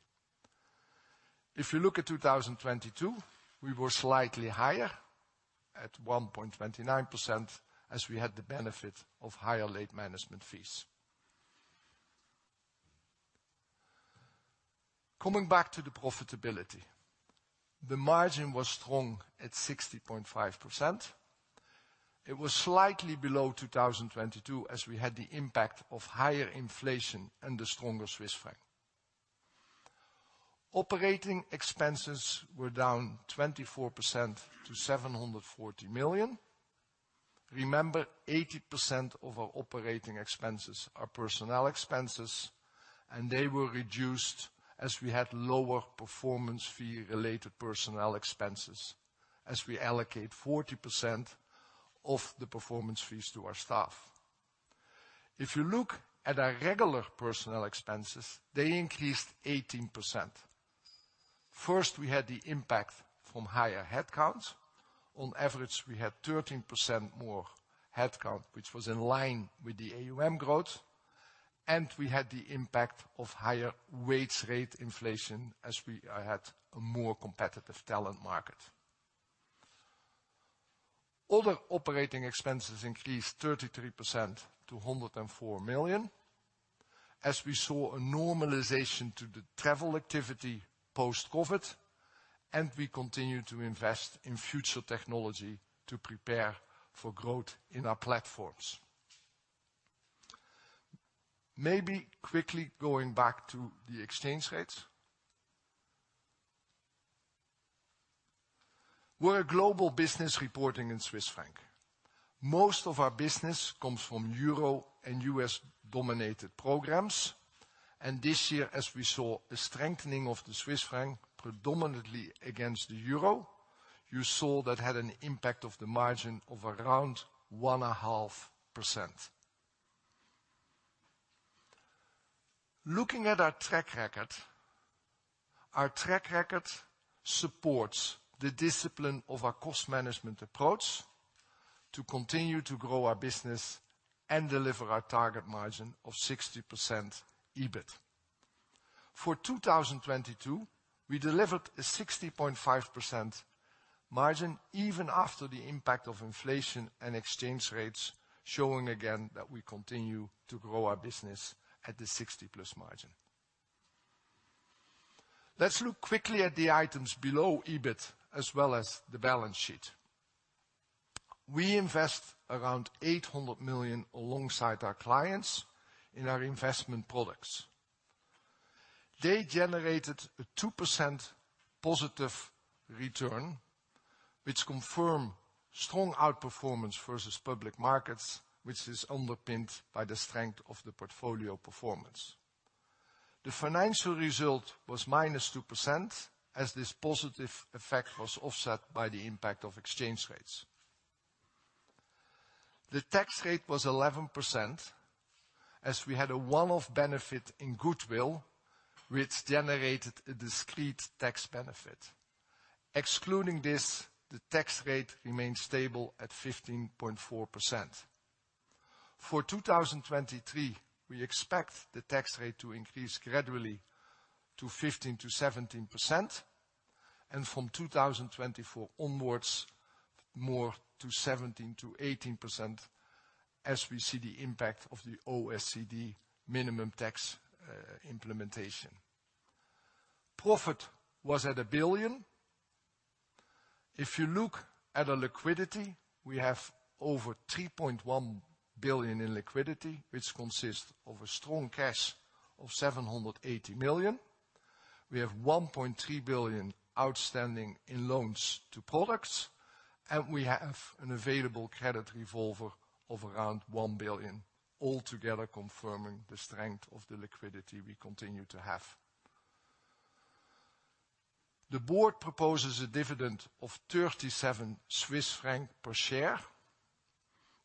Speaker 4: If you look at 2022, we were slightly higher at 1.29% as we had the benefit of higher late management fees. Coming back to the profitability, the margin was strong at 60.5%. It was slightly below 2022 as we had the impact of higher inflation and the stronger CHF. Operating expenses were down 24% to 740 million. Remember, 80% of our operating expenses are personnel expenses, and they were reduced as we had lower performance fee-related personnel expenses, as we allocate 40% of the performance fees to our staff. If you look at our regular personnel expenses, they increased 18%. First, we had the impact from higher headcount. On average, we had 13% more headcount, which was in line with the AUM growth, and we had the impact of higher wage rate inflation as we had a more competitive talent market. Other operating expenses increased 33% to 104 million as we saw a normalization to the travel activity post-COVID. We continue to invest in future technology to prepare for growth in our platforms. Maybe quickly going back to the exchange rates. We're a global business reporting in Swiss franc. Most of our business comes from Euro and U.S.-dominated programs. This year, as we saw a strengthening of the Swiss franc predominantly against the Euro, you saw that had an impact of the margin of around 1.5%. Looking at our track record, our track record supports the discipline of our cost management approach to continue to grow our business and deliver our target margin of 60% EBIT. For 2022, we delivered a 60.5% margin even after the impact of inflation and exchange rates, showing again that we continue to grow our business at the 60+ margin. Let's look quickly at the items below EBIT as well as the balance sheet. We invest around 800 million alongside our clients in our investment products. They generated a 2% positive return, which confirm strong outperformance versus public markets, which is underpinned by the strength of the portfolio performance. The financial result was -2% as this positive effect was offset by the impact of exchange rates. The tax rate was 11% as we had a one-off benefit in goodwill, which generated a discrete tax benefit. Excluding this, the tax rate remains stable at 15.4%. For 2023, we expect the tax rate to increase gradually to 15%-17%. From 2024 onwards, more to 17%-18% as we see the impact of the OECD minimum tax implementation. Profit was at 1 billion. If you look at our liquidity, we have over 3.1 billion in liquidity, which consists of a strong cash of 780 million. We have 1.3 billion outstanding in loans to products, and we have an available credit revolver of around 1 billion, altogether confirming the strength of the liquidity we continue to have. The board proposes a dividend of 37 Swiss francs per share.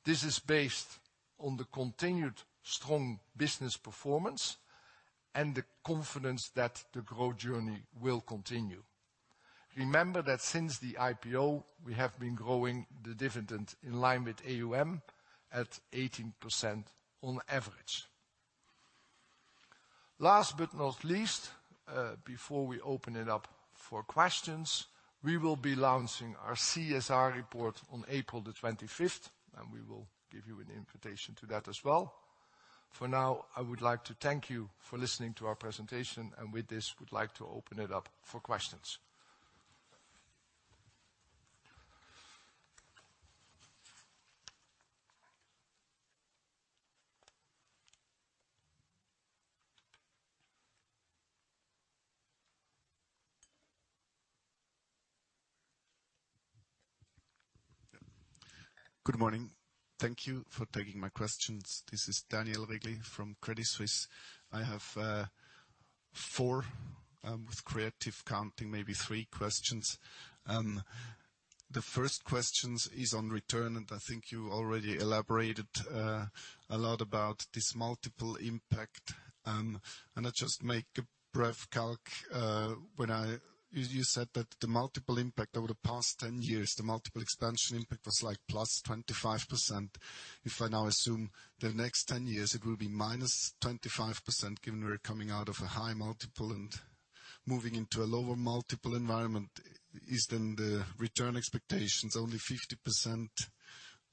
Speaker 4: This is based on the continued strong business performance and the confidence that the growth journey will continue. Remember that since the IPO, we have been growing the dividend in line with AUM at 18% on average. Last but not least, before we open it up for questions, we will be launching our CSR report on April 25th. We will give you an invitation to that as well. For now, I would like to thank you for listening to our presentation. With this would like to open it up for questions.
Speaker 5: Good morning. Thank you for taking my questions. This is Daniel Regli from Credit Suisse. I have four, with creative counting, maybe three questions. The first questions is on return, and I think you already elaborated a lot about this multiple impact. I just make a brief calc. You said that the multiple impact over the past 10 years, the multiple expansion impact was like +25%. If I now assume the next 10 years it will be -25%, given we're coming out of a high multiple and moving into a lower multiple environment, is then the return expectations only 50%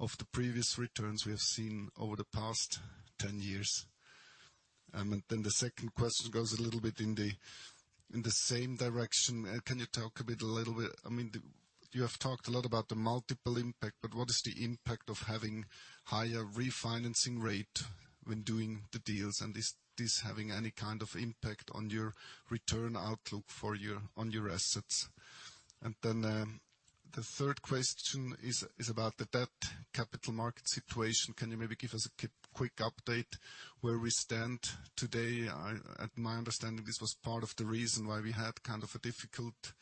Speaker 5: of the previous returns we have seen over the past 10 years? The second question goes a little bit in the same direction. Can you talk a little bit, I mean, you have talked a lot about the multiple impact. What is the impact of having higher refinancing rate when doing the deals, and is this having any kind of impact on your return outlook on your assets? The third question is about the debt capital market situation. Can you maybe give us a quick update where we stand today? At my understanding, this was part of the reason why we had kind of a difficult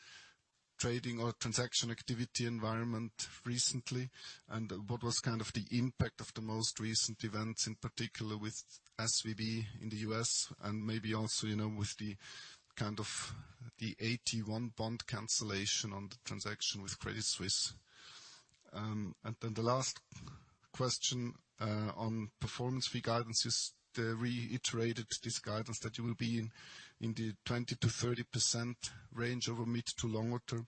Speaker 5: trading or transaction activity environment recently. What was kind of the impact of the most recent events, in particular with SVB in the U.S. and maybe also, you know, with the kind of the AT1 bond cancellation on the transaction with Credit Suisse. The last question on performance fee guidance. Reiterated this guidance that you will be in the 20%-30% range over mid to longer term.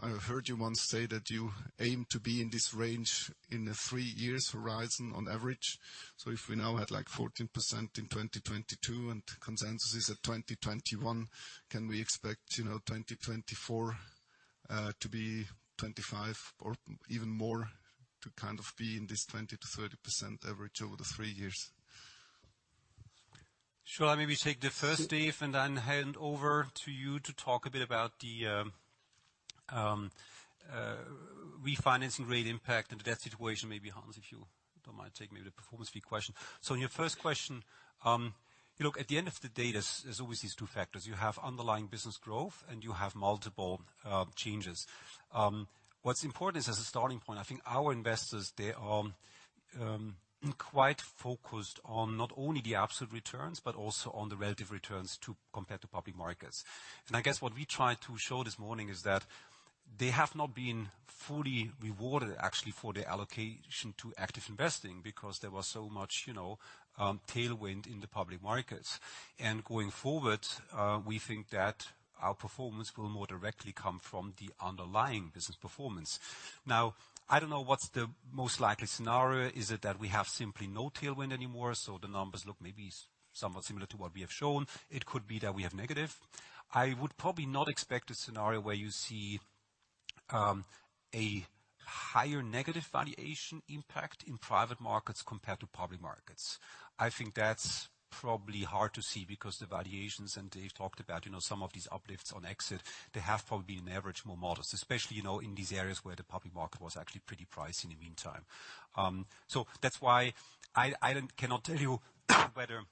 Speaker 5: I have heard you once say that you aim to be in this range in a three years horizon on average. If we now had like 14% in 2022 and consensus is at 2021, can we expect, you know, 2024 to be 25 or even more to kind of be in this 20%-30% average over the three years?
Speaker 3: Shall I maybe take the first Dave, and then hand over to you to talk a bit about the refinancing rate impact and the debt situation? Maybe Hans, if you don't mind taking maybe the performance fee question. In your first question, look, at the end of the day, there's always these two factors. You have underlying business growth and you have multiple changes. What's important is, as a starting point, I think our investors, they are quite focused on not only the absolute returns but also on the relative returns to compared to public markets. I guess what we tried to show this morning is that they have not been fully rewarded actually for the allocation to active investing because there was so much, you know, tailwind in the public markets. Going forward, we think that our performance will more directly come from the underlying business performance. Now, I don't know what's the most likely scenario. Is it that we have simply no tailwind anymore, so the numbers look maybe somewhat similar to what we have shown? It could be that we have negative. I would probably not expect a scenario where you see a higher negative valuation impact in private markets compared to public markets. I think that's probably hard to see because the valuations, and Dave talked about, you know, some of these uplifts on exit, they have probably been on average more modest, especially, you know, in these areas where the public market was actually pretty priced in the meantime. So that's why I cannot tell you whether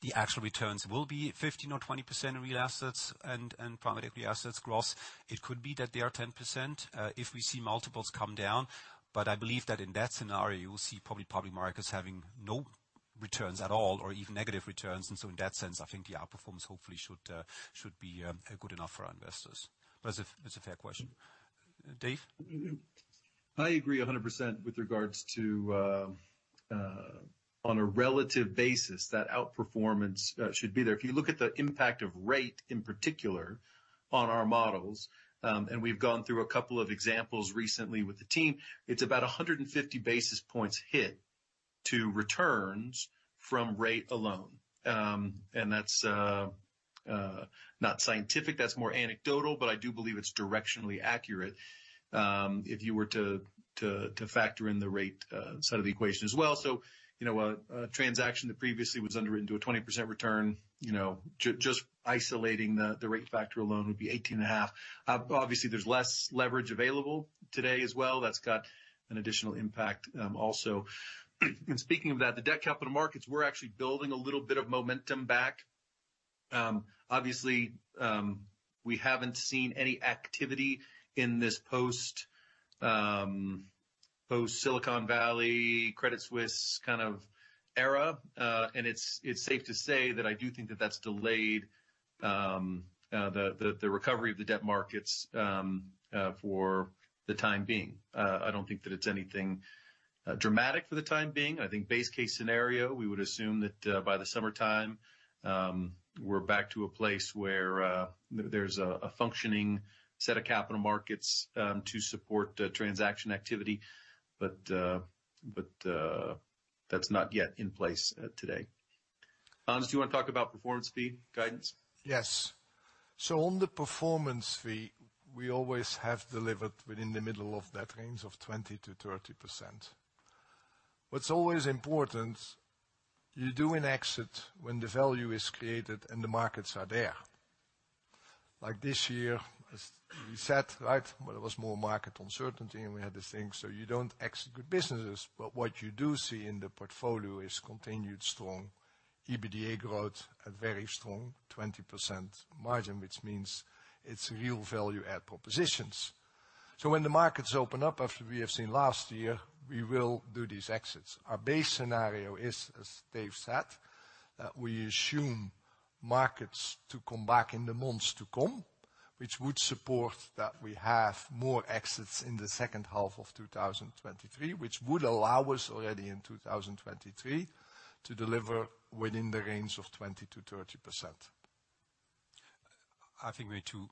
Speaker 3: the actual returns will be 15% or 20% in real assets and private equity assets gross. It could be that they are 10% if we see multiples come down. I believe that in that scenario, you'll see probably public markets having no returns at all or even negative returns. In that sense, I think the outperformance hopefully should be good enough for our investors. It's a fair question. Dave?
Speaker 2: I agree 100% with regards to on a relative basis that outperformance should be there. If you look at the impact of rate, in particular on our models, and we've gone through a couple of examples recently with the team, it's about 150 basis points hit to returns from rate alone. That's not scientific, that's more anecdotal, but I do believe it's directionally accurate, if you were to, to factor in the rate side of the equation as well. You know, a transaction that previously was underwritten to a 20% return, you know, just isolating the rate factor alone would be 18.5%. Obviously there's less leverage available today as well. That's got an additional impact, also. Speaking of that, the debt capital markets, we're actually building a little bit of momentum back. Obviously, we haven't seen any activity in this post Silicon Valley, Credit Suisse kind of era. It's safe to say that I do think that that's delayed the recovery of the debt markets for the time being. I don't think that it's anything dramatic for the time being. I think base case scenario, we would assume that by the summertime, we're back to a place where there's a functioning set of capital markets to support transaction activity. That's not yet in place today. Hans, do you wanna talk about performance fee guidance?
Speaker 4: Yes. On the performance fee, we always have delivered within the middle of that range of 20%-30%. What's always important, you do an exit when the value is created and the markets are there. This year, as we said, right, where there was more market uncertainty and we had to think, you don't exit good businesses. What you do see in the portfolio is continued strong EBITDA growth at very strong 20% margin, which means it's real value add propositions. When the markets open up after we have seen last year, we will do these exits. Our base scenario is, as Dave said, that we assume markets to come back in the months to come, which would support that we have more exits in the second half of 2023, which would allow us already in 2023 to deliver within the range of 20%-30%.
Speaker 3: I think maybe to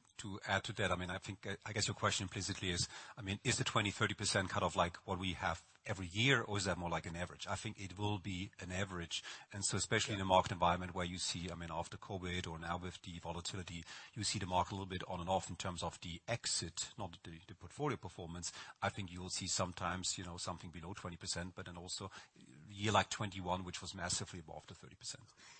Speaker 3: add to that, I think, I guess your question implicitly is the 20%, 30% kind of like what we have every year or is that more like an average? I think it will be an average. Especially in a market environment where you see after COVID or now with the volatility, you see the market a little bit on and off in terms of the exit, not the portfolio performance. I think you will see sometimes, you know, something below 20%, also year like 2021, which was massively above the 30%.
Speaker 5: I think this was well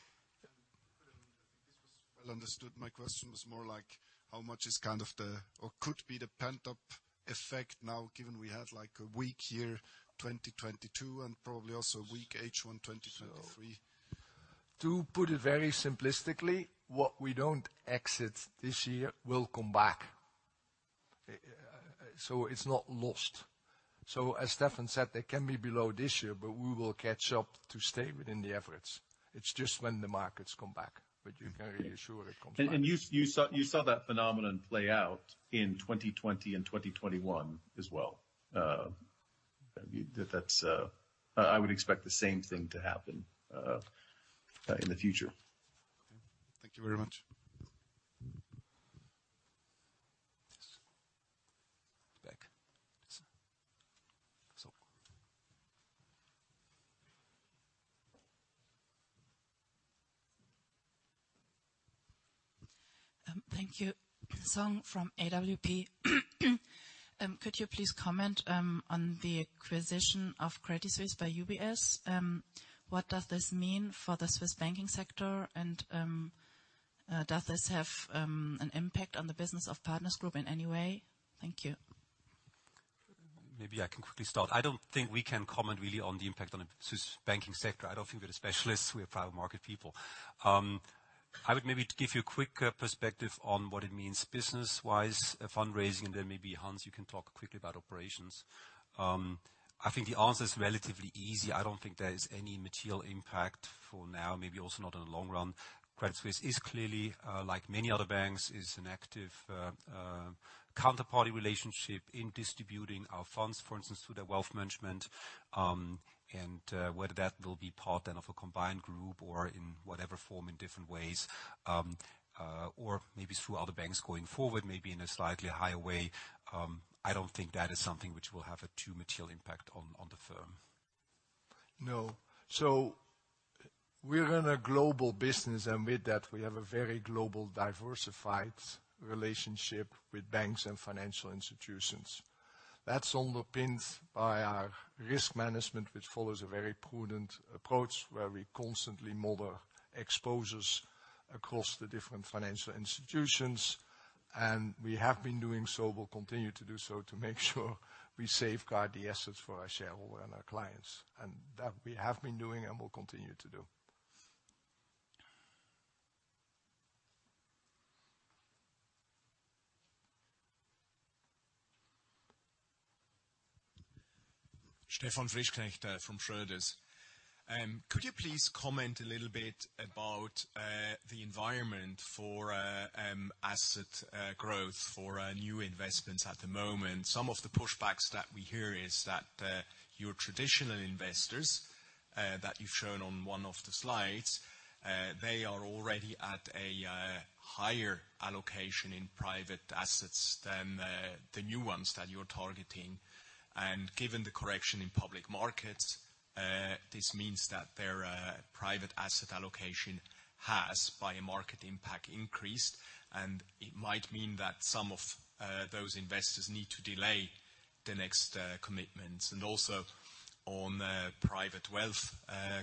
Speaker 5: understood. My question was more like how much is kind of the or could be the pent-up effect now, given we had like a weak year 2022 and probably also weak H1 2023?
Speaker 4: To put it very simplistically, what we don't exit this year will come back. It's not lost. As Stefan said, they can be below this year, but we will catch up to stay within the efforts. It's just when the markets come back. You can be assured it comes back.
Speaker 2: You saw that phenomenon play out in 2020 and 2021 as well. That's, I would expect the same thing to happen in the future.
Speaker 5: Okay. Thank you very much.
Speaker 6: Thank you. Song from AWP. Could you please comment on the acquisition of Credit Suisse by UBS? What does this mean for the Swiss banking sector? Does this have an impact on the business of Partners Group in any way? Thank you.
Speaker 3: Maybe I can quickly start. I don't think we can comment really on the impact on the Swiss banking sector. I don't think we're the specialists. We are private market people. I would maybe give you a quick perspective on what it means business-wise, fundraising, and then maybe Hans, you can talk quickly about operations. I think the answer is relatively easy. I don't think there is any material impact for now, maybe also not in the long run. Credit Suisse is clearly, like many other banks, is an active counterparty relationship in distributing our funds, for instance, through their wealth management. Whether that will be part then of a combined group or in whatever form in different ways, or maybe through other banks going forward, maybe in a slightly higher way, I don't think that is something which will have a too material impact on the firm.
Speaker 4: No. We're in a global business, and with that we have a very global diversified relationship with banks and financial institutions. That's underpinned by our risk management, which follows a very prudent approach where we constantly model exposures across the different financial institutions, and we have been doing so. We'll continue to do so to make sure we safeguard the assets for our shareholder and our clients. That we have been doing and will continue to do.
Speaker 7: Stefan Frischknecht, from Schroders. Could you please comment a little bit about the environment for asset growth for new investments at the moment? Some of the pushbacks that we hear is that your traditional investors that you've shown on one of the slides, they are already at a higher allocation in private assets than the new ones that you're targeting. Given the correction in public markets, this means that their private asset allocation has, by market impact, increased. It might mean that some of those investors need to delay the next commitments. Also on private wealth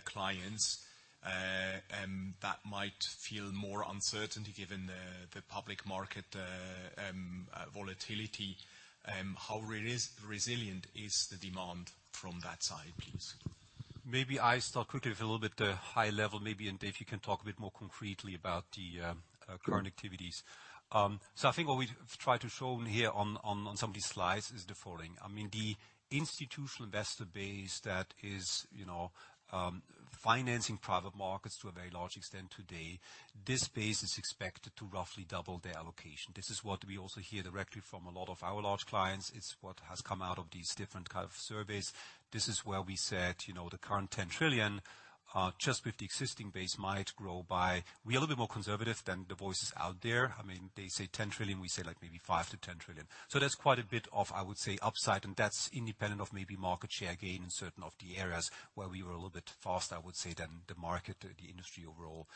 Speaker 7: clients that might feel more uncertainty given the public market volatility. How resilient is the demand from that side, please?
Speaker 3: Maybe I start quickly with a little bit high level maybe, and Dave, you can talk a bit more concretely about the current activities. I think what we try to show in here on some of these slides is the following. I mean, the institutional investor base that is, you know, financing private markets to a very large extent today, this base is expected to roughly double their allocation. This is what we also hear directly from a lot of our large clients. It's what has come out of these different kind of surveys. This is where we said, you know, the current $10 trillion just with the existing base might grow by... We're a little bit more conservative than the voices out there. I mean, they say $10 trillion, we say like maybe $5 trillion-$10 trillion. That's quite a bit of, I would say, upside, and that's independent of maybe market share gain in certain of the areas where we were a little bit faster, I would say, than the market or the industry overall.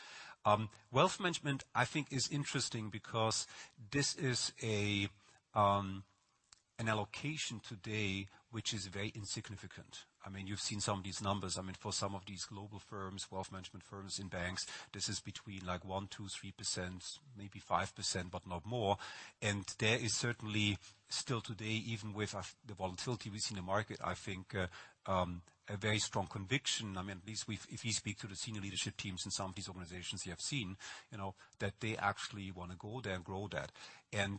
Speaker 3: Wealth management, I think is interesting because this is an allocation today which is very insignificant. I mean, you've seen some of these numbers. I mean, for some of these global firms, wealth management firms in banks, this is between, like 1%, 2%, 3%, maybe 5%, but not more. There is certainly still today, even with the volatility we see in the market, I think, a very strong conviction, I mean, at least if you speak to the senior leadership teams in some of these organizations you have seen, you know, that they actually wanna go there and grow that.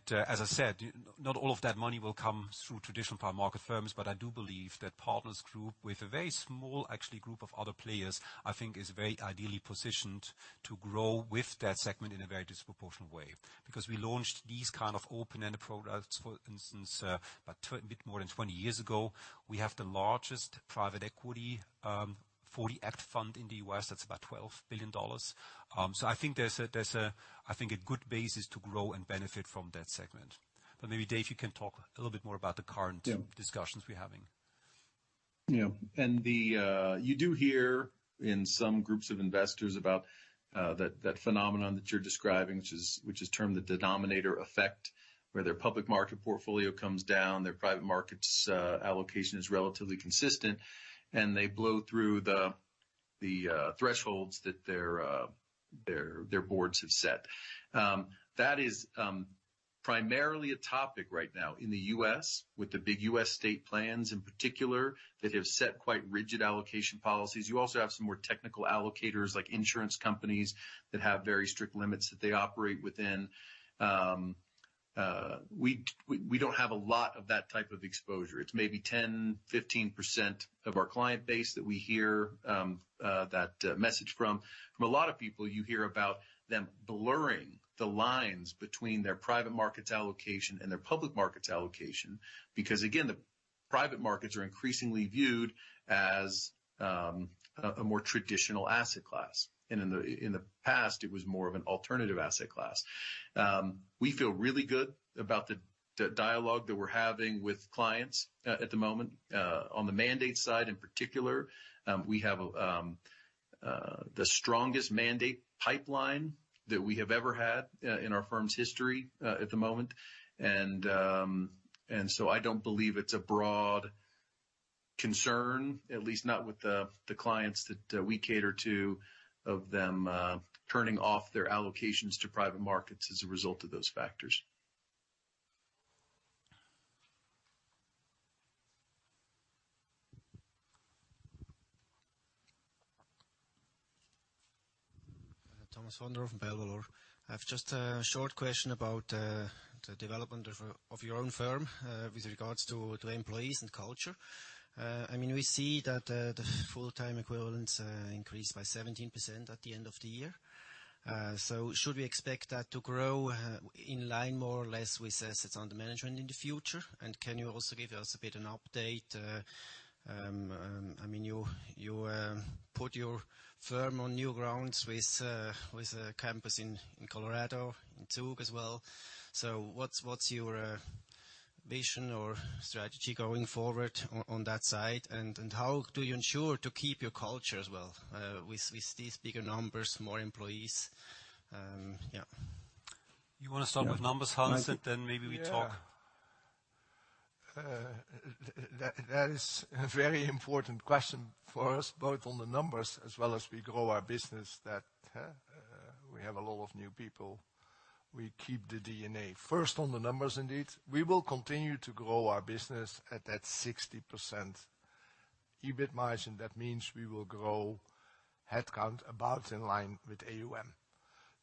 Speaker 3: As I said, not all of that money will come through traditional private market firms, I do believe that Partners Group, with a very small, actually, group of other players, I think is very ideally positioned to grow with that segment in a very disproportionate way. Because we launched these kind of open-ended products, for instance, about bit more than 20 years ago. We have the largest private equity, 40 Act fund in the U.S., that's about $12 billion. I think there's a, I think, a good basis to grow and benefit from that segment. Maybe Dave, you can talk a little bit more about the current discussions we're having.
Speaker 2: You do hear in some groups of investors about that phenomenon that you're describing, which is termed the denominator effect, where their public market portfolio comes down, their private markets allocation is relatively consistent, and they blow through the thresholds that their boards have set. That is primarily a topic right now in the U.S. with the big U.S. state plans in particular, that have set quite rigid allocation policies. You also have some more technical allocators like insurance companies that have very strict limits that they operate within. We don't have a lot of that type of exposure. It's maybe 10-15% of our client base that we hear that message from. From a lot of people you hear about them blurring the lines between their private markets allocation and their public markets allocation, because again, the private markets are increasingly viewed as a more traditional asset class. In the past, it was more of an alternative asset class. We feel really good about the dialogue that we're having with clients at the moment. On the mandate side in particular, we have the strongest mandate pipeline that we have ever had in our firm's history at the moment. I don't believe it's a broad concern, at least not with the clients that we cater to, of them turning off their allocations to private markets as a result of those factors.
Speaker 8: Thomas von Rohr from Belvalor. I have just a short question about the development of your own firm with regards to employees and culture. I mean, we see that the full-time equivalents increased by 17% at the end of the year. Should we expect that to grow in line more or less with assets under management in the future? Can you also give us a bit an update. I mean, you put your firm on new grounds with a campus in Colorado, in Zug as well. What's your vision or strategy going forward on that side? How do you ensure to keep your culture as well with these bigger numbers, more employees? Yeah.
Speaker 3: You wanna start with numbers, Hans, and then maybe we talk.
Speaker 4: That is a very important question for us, both on the numbers as well as we grow our business, that we have a lot of new people. We keep the DNA. First on the numbers indeed, we will continue to grow our business at that 60% EBIT margin. That means we will grow headcount about in line with AUM.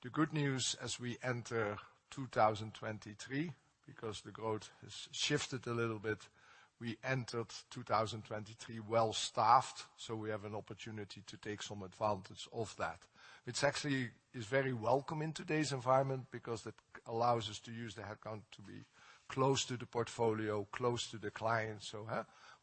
Speaker 4: The good news as we enter 2023, because the growth has shifted a little bit, we entered 2023 well-staffed, so we have an opportunity to take some advantage of that. It's actually is very welcome in today's environment because that allows us to use the headcount to be close to the portfolio, close to the client.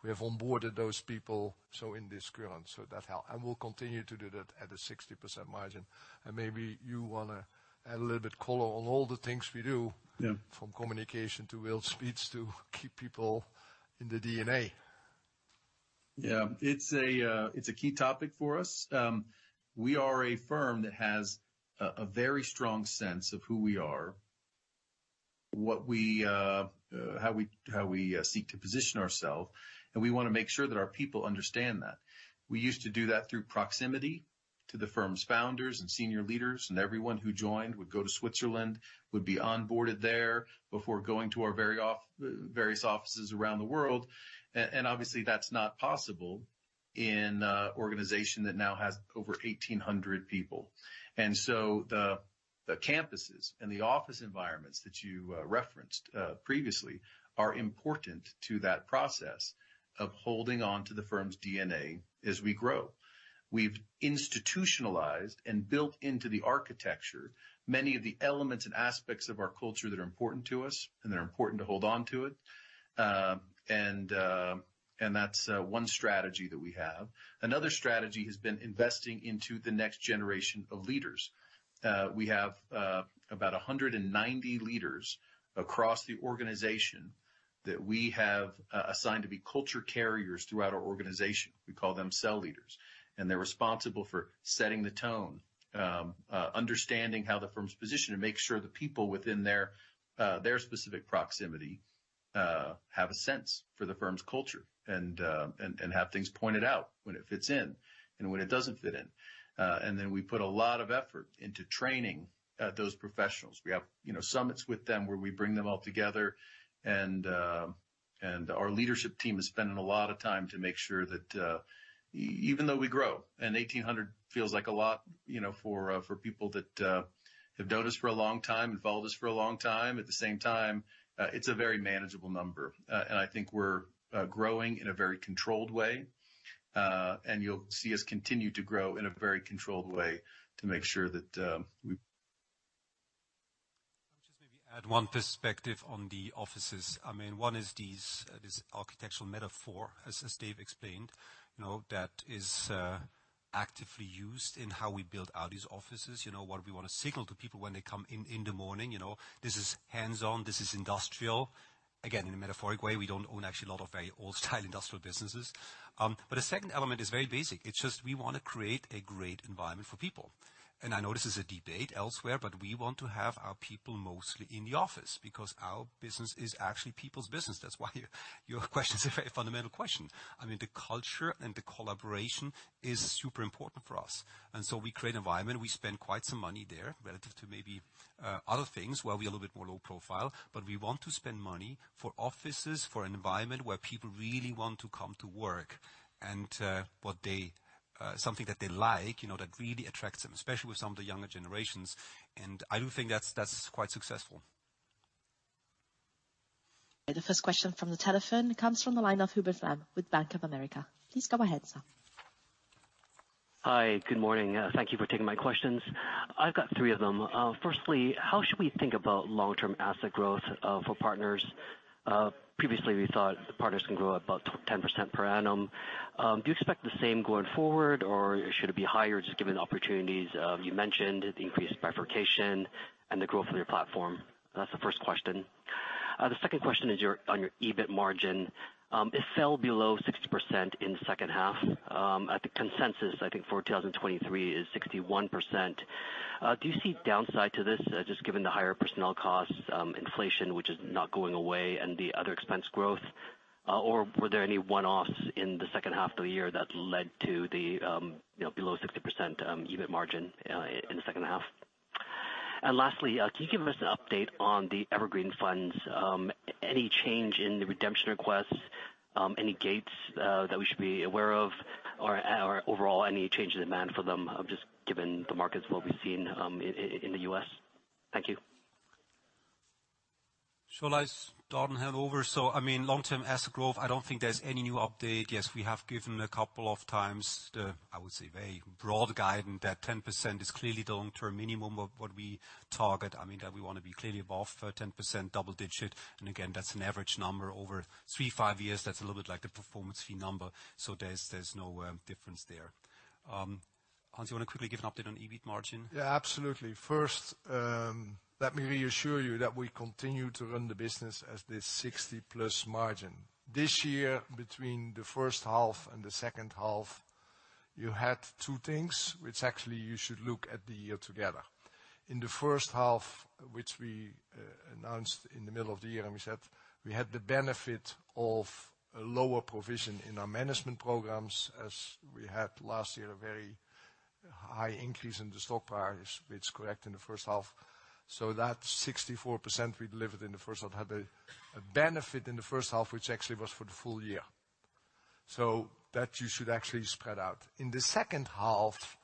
Speaker 4: We have onboarded those people, so that help. We'll continue to do that at a 60% margin. Maybe you want to add a little bit color on all the things we do.
Speaker 2: Yeah.
Speaker 4: From communication to Will's speech to keep people in the DNA.
Speaker 2: Yeah. It's a key topic for us. We are a firm that has a very strong sense of who we are, what we, how we seek to position ourself, and we wanna make sure that our people understand that. We used to do that through proximity to the firm's founders and senior leaders, and everyone who joined would go to Switzerland, would be onboarded there before going to our various offices around the world. Obviously, that's not possible in organization that now has over 1,800 people. The campuses and the office environments that you referenced previously are important to that process of holding on to the firm's DNA as we grow. We've institutionalized and built into the architecture many of the elements and aspects of our culture that are important to us, and that are important to hold on to it. That's one strategy that we have. Another strategy has been investing into the next generation of leaders. We have about 190 leaders across the organization that we have assigned to be culture carriers throughout our organization. We call them cell leaders, and they're responsible for setting the tone, understanding how the firm's positioned and make sure the people within their specific proximity have a sense for the firm's culture and have things pointed out when it fits in and when it doesn't fit in. Then we put a lot of effort into training those professionals. We have, you know, summits with them where we bring them all together and our leadership team is spending a lot of time to make sure that even though we grow and 1,800 feels like a lot, you know, for people that have known us for a long time, involved us for a long time. At the same time, it's a very manageable number. I think we're growing in a very controlled way, and you'll see us continue to grow in a very controlled way to make sure that.
Speaker 3: Let me just maybe add one perspective on the offices. I mean, one is these, this architectural metaphor, as Dave explained, you know, that is actively used in how we build out these offices, you know, what we wanna signal to people when they come in the morning, you know, this is hands-on, this is industrial. Again, in a metaphoric way, we don't own actually a lot of very old-style industrial businesses. A second element is very basic. It's just we wanna create a great environment for people. I know this is a debate elsewhere, but we want to have our people mostly in the office because our business is actually people's business. That's why your question is a very fundamental question. I mean, the culture and the collaboration is super important for us. We create environment. We spend quite some money there relative to maybe, other things where we are a little bit more low profile, but we want to spend money for offices, for environment where people really want to come to work and, what they, something that they like, you know, that really attracts them, especially with some of the younger generations. I do think that's quite successful.
Speaker 9: The first question from the telephone comes from the line of Hubert Lam with Bank of America. Please go ahead, sir.
Speaker 10: Hi, good morning. Thank you for taking my questions. I've got three of them. Firstly, how should we think about long-term asset growth for Partners? Previously we thought Partners can grow about 10% per annum. Do you expect the same going forward or should it be higher just given the opportunities, you mentioned, the increased bifurcation and the growth of your platform? That's the first question. The second question is on your EBIT margin. It fell below 60% in the second half. At the consensus, I think for 2023 is 61%. Do you see downside to this, just given the higher personnel costs, inflation which is not going away, and the other expense growth? Were there any one-offs in the second half of the year that led to the, you know, below 60%, EBIT margin in the second half? Lastly, can you give us an update on the Evergreen funds? Any change in the redemption requests, any gates that we should be aware of or overall any change in demand for them, just given the markets, what we've seen in the U.S.? Thank you.
Speaker 3: Sure. Let's start and hand over. I mean, long-term asset growth, I don't think there's any new update. Yes, we have given a couple of times the, I would say, very broad guidance that 10% is clearly the long-term minimum of what we target. I mean, that we wanna be clearly above 10% double digit. Again, that's an average number over three, five years. That's a little bit like the performance fee number. There's no difference there. Hans, you wanna quickly give an update on EBIT margin?
Speaker 4: Yeah, absolutely. First, let me reassure you that we continue to run the business as this 60+ margin. This year between the first half and the second half, you had two things which actually you should look at the year together. In the first half, which we announced in the middle of the year, and we said we had the benefit of a lower provision in our management programs as we had last year, a very high increase in the stock price, which correct in the first half. That 64% we delivered in the first half had a benefit in the first half, which actually was for the full year. That you should actually spread out. In the second half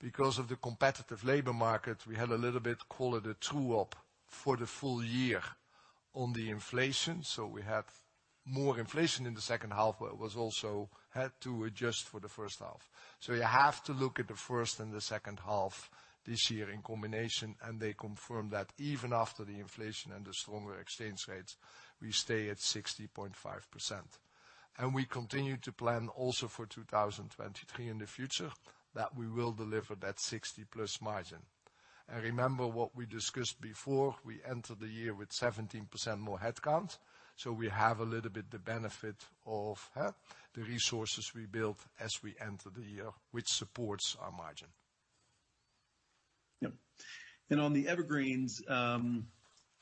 Speaker 4: because of the competitive labor market, we had a little bit, call it a true up for the full year on the inflation. We have more inflation in the second half, but it was also had to adjust for the first half. You have to look at the first and the second half this year in combination, and they confirm that even after the inflation and the stronger exchange rates, we stay at 60.5%. We continue to plan also for 2023 in the future that we will deliver that 60+ margin. Remember what we discussed before, we entered the year with 17% more headcount. We have a little bit the benefit of the resources we built as we enter the year, which supports our margin.
Speaker 2: Yep. On the evergreens,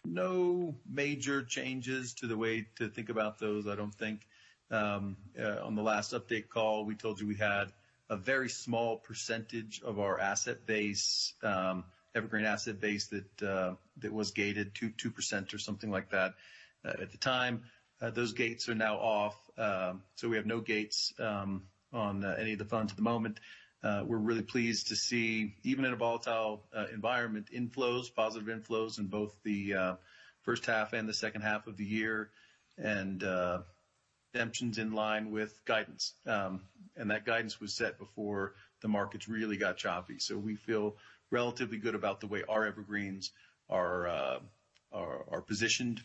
Speaker 2: no major changes to the way to think about those, I don't think. On the last update call, we told you we had a very small percentage of our asset base, evergreen asset base that was gated to 2% or something like that at the time. Those gates are now off, so we have no gates on any of the funds at the moment. We're really pleased to see, even in a volatile environment, inflows, positive inflows in both the first half and the second half of the year, and redemptions in line with guidance. That guidance was set before the markets really got choppy. We feel relatively good about the way our evergreens are positioned.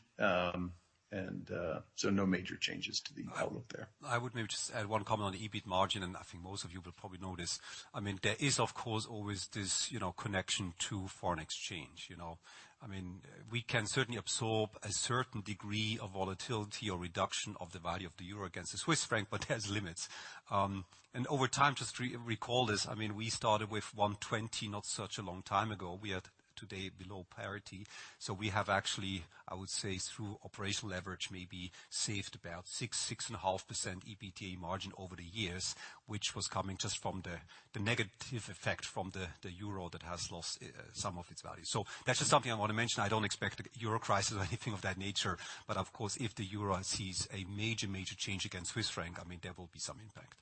Speaker 2: No major changes to the outlook there.
Speaker 3: I would maybe just add one comment on the EBIT margin. I think most of you will probably know this. I mean, there is, of course, always this, you know, connection to foreign exchange, you know. I mean, we can certainly absorb a certain degree of volatility or reduction of the value of the euro against the Swiss franc, but it has limits. Over time, just recall this, I mean, we started with 1.20 not such a long time ago. We are today below parity. We have actually, I would say, through operational leverage, maybe saved about 6-6.5% EBITDA margin over the years, which was coming just from the negative effect from the euro that has lost some of its value. That's just something I wanna mention. I don't expect a euro crisis or anything of that nature, but of course, if the euro sees a major change against Swiss franc, I mean, there will be some impact.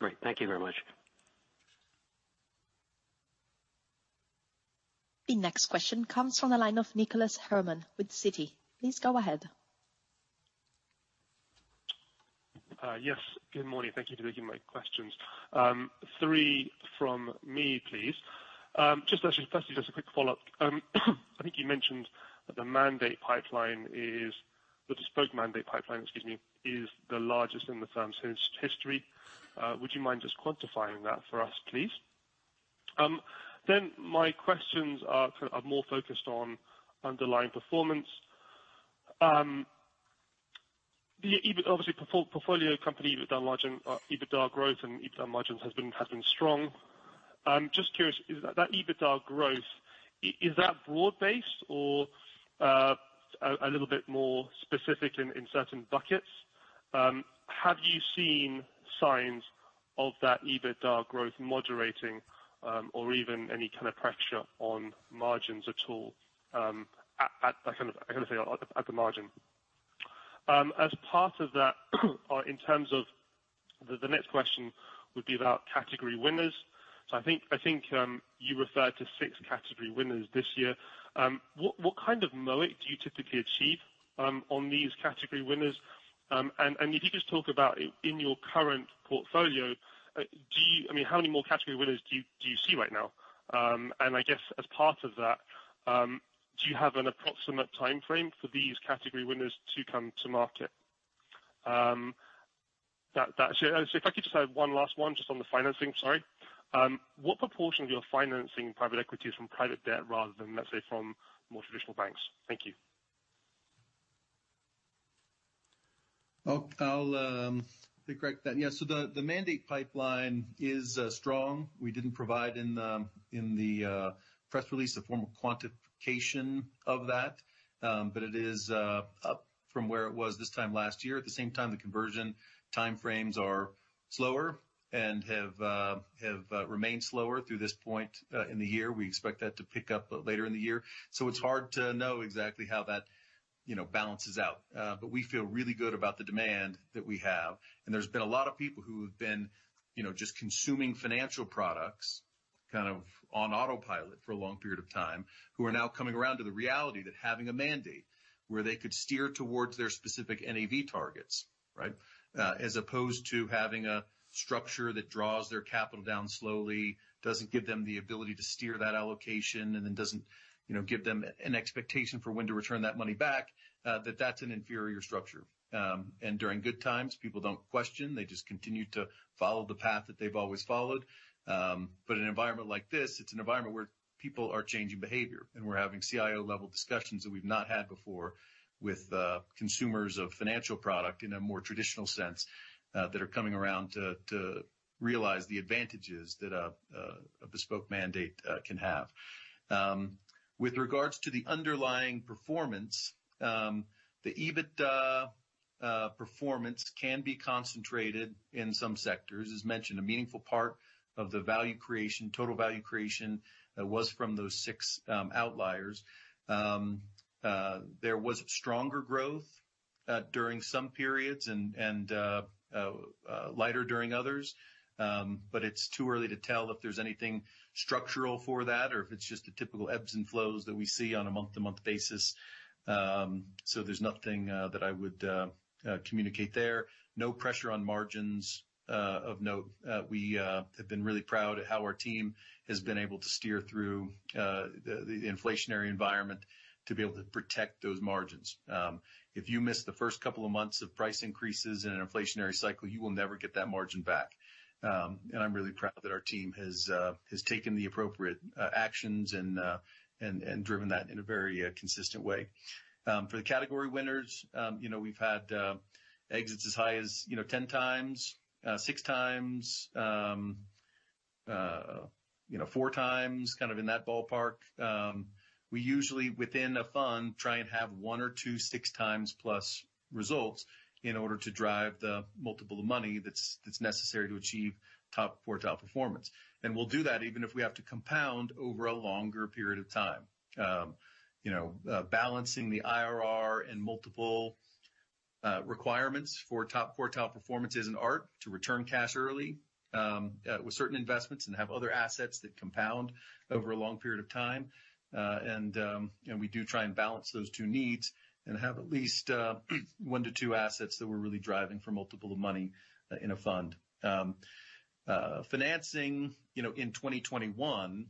Speaker 10: Great. Thank you very much.
Speaker 9: The next question comes from the line of Nicholas Herman with Citi. Please go ahead.
Speaker 11: Yes. Good morning. Thank you for taking my questions. Three from me, please. Just firstly, just a quick follow-up. I think you mentioned the mandate pipeline. The bespoke mandate pipeline, excuse me, is the largest in the firm's history. Would you mind just quantifying that for us, please? My questions are more focused on underlying performance. The obviously portfolio company EBITA margin, EBITDA growth and EBITA margins has been strong. I'm just curious, is that EBITDA growth, is that broad-based or a little bit more specific in certain buckets? Have you seen signs of that EBITDA growth moderating, or even any kind of pressure on margins at all, at that kind of thing at the margin? As part of that or in terms of the next question would be about category winners. I think you referred to 6 category winners this year. What kind of MOIC do you typically achieve on these category winners? And if you just talk about in your current portfolio, I mean, how many more category winners do you see right now? And I guess as part of that, do you have an approximate timeframe for these category winners to come to market? If I could just have one last one just on the financing, sorry. What proportion of your financing private equity is from private debt rather than, let's say, from more traditional banks? Thank you.
Speaker 2: I'll take then. The mandate pipeline is strong. We didn't provide in the press release a formal quantification of that, but it is up from where it was this time last year. At the same time, the conversion time frames are slower and have remained slower through this point in the year. We expect that to pick up later in the year. It's hard to know exactly how that, you know, balances out. We feel really good about the demand that we have. There's been a lot of people who have been, you know, just consuming financial products kind of on autopilot for a long period of time, who are now coming around to the reality that having a mandate where they could steer towards their specific NAV targets, right? As opposed to having a structure that draws their capital down slowly, doesn't give them the ability to steer that allocation and then doesn't, you know, give them an expectation for when to return that money back, that that's an inferior structure. During good times, people don't question. They just continue to follow the path that they've always followed. But an environment like this, it's an environment where people are changing behavior, and we're having CIO-level discussions that we've not had before with consumers of financial product in a more traditional sense, that are coming around to realize the advantages that a bespoke mandate can have. With regards to the underlying performance, the EBITDA performance can be concentrated in some sectors. As mentioned, a meaningful part of the value creation, total value creation, was from those six outliers. There was stronger growth during some periods and lighter during others. It's too early to tell if there's anything structural for that or if it's just the typical ebbs and flows that we see on a month-to-month basis. There's nothing that I would communicate there. No pressure on margins of note. We have been really proud of how our team has been able to steer through the inflationary environment to be able to protect those margins. If you miss the first couple of months of price increases in an inflationary cycle, you will never get that margin back. I'm really proud that our team has taken the appropriate actions and driven that in a very consistent way. For the category winners, we've had exits as high as 10 times, six times, four times, kind of in that ballpark. We usually within a fund try and have one or two, six times plus results in order to drive the multiple money that's necessary to achieve top quartile performance. We'll do that even if we have to compound over a longer period of time. Balancing the IRR and multiple requirements for top quartile performance is an art to return cash early with certain investments and have other assets that compound over a long period of time. We do try and balance those two needs and have at least one to two assets that we're really driving for multiple money in a fund. Financing, you know, in 2021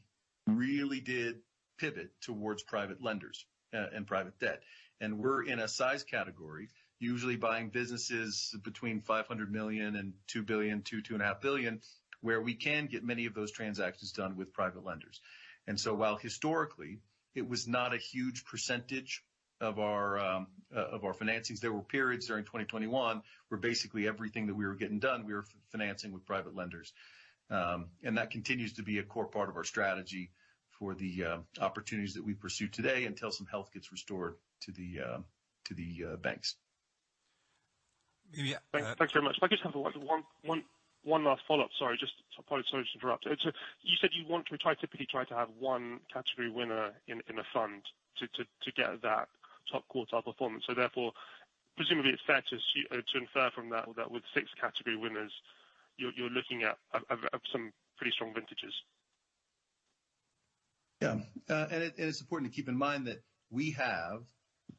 Speaker 2: really did pivot towards private lenders and private debt. We're in a size category, usually buying businesses between $500 million and $2 billion-$2.5 billion, where we can get many of those transactions done with private lenders. While historically it was not a huge percentage of our financings, there were periods during 2021 where basically everything that we were getting done we were financing with private lenders. That continues to be a core part of our strategy for the opportunities that we pursue today until some health gets restored to the banks.
Speaker 3: Yeah.
Speaker 11: Thanks very much. I just have one last follow-up. Sorry, just apologize to interrupt. You said you typically try to have one category winner in a fund to get that top quartile performance. Therefore presumably it's fair to infer from that with six category winners, you're looking at some pretty strong vintages.
Speaker 2: Yeah. It's important to keep in mind that we have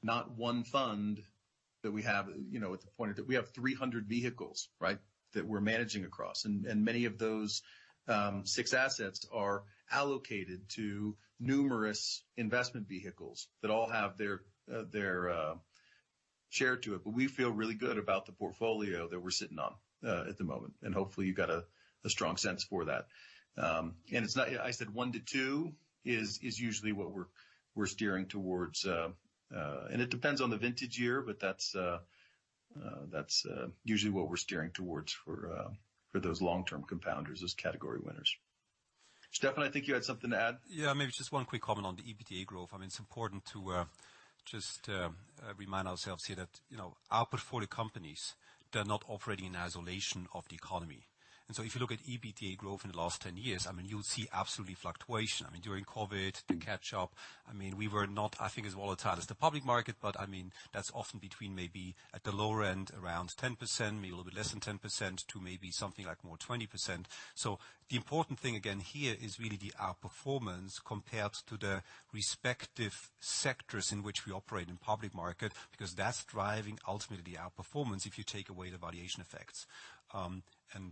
Speaker 2: not one fund that we have, you know, at the point that we have 300 vehicles, right? That we're managing across. Many of those, six assets are allocated to numerous investment vehicles that all have their share to it. We feel really good about the portfolio that we're sitting on at the moment, and hopefully you got a strong sense for that. I said 1-2 is usually what we're steering towards. It depends on the vintage year, that's usually what we're steering towards for those long-term compounders, those category winners. Steffen, I think you had something to add.
Speaker 3: Yeah. Maybe just one quick comment on the EBITDA growth. I mean, it's important to just remind ourselves here that, you know, our portfolio companies, they're not operating in isolation of the economy. If you look at EBITDA growth in the last 10 years, I mean, you'll see absolutely fluctuation. I mean, during COVID, the catch up, I mean, we were not, I think, as volatile as the public market, but I mean, that's often between maybe at the lower end, around 10%, maybe a little bit less than 10% to maybe something like more 20%. The important thing again here is really the outperformance compared to the respective sectors in which we operate in public market, because that's driving ultimately the outperformance if you take away the valuation effects.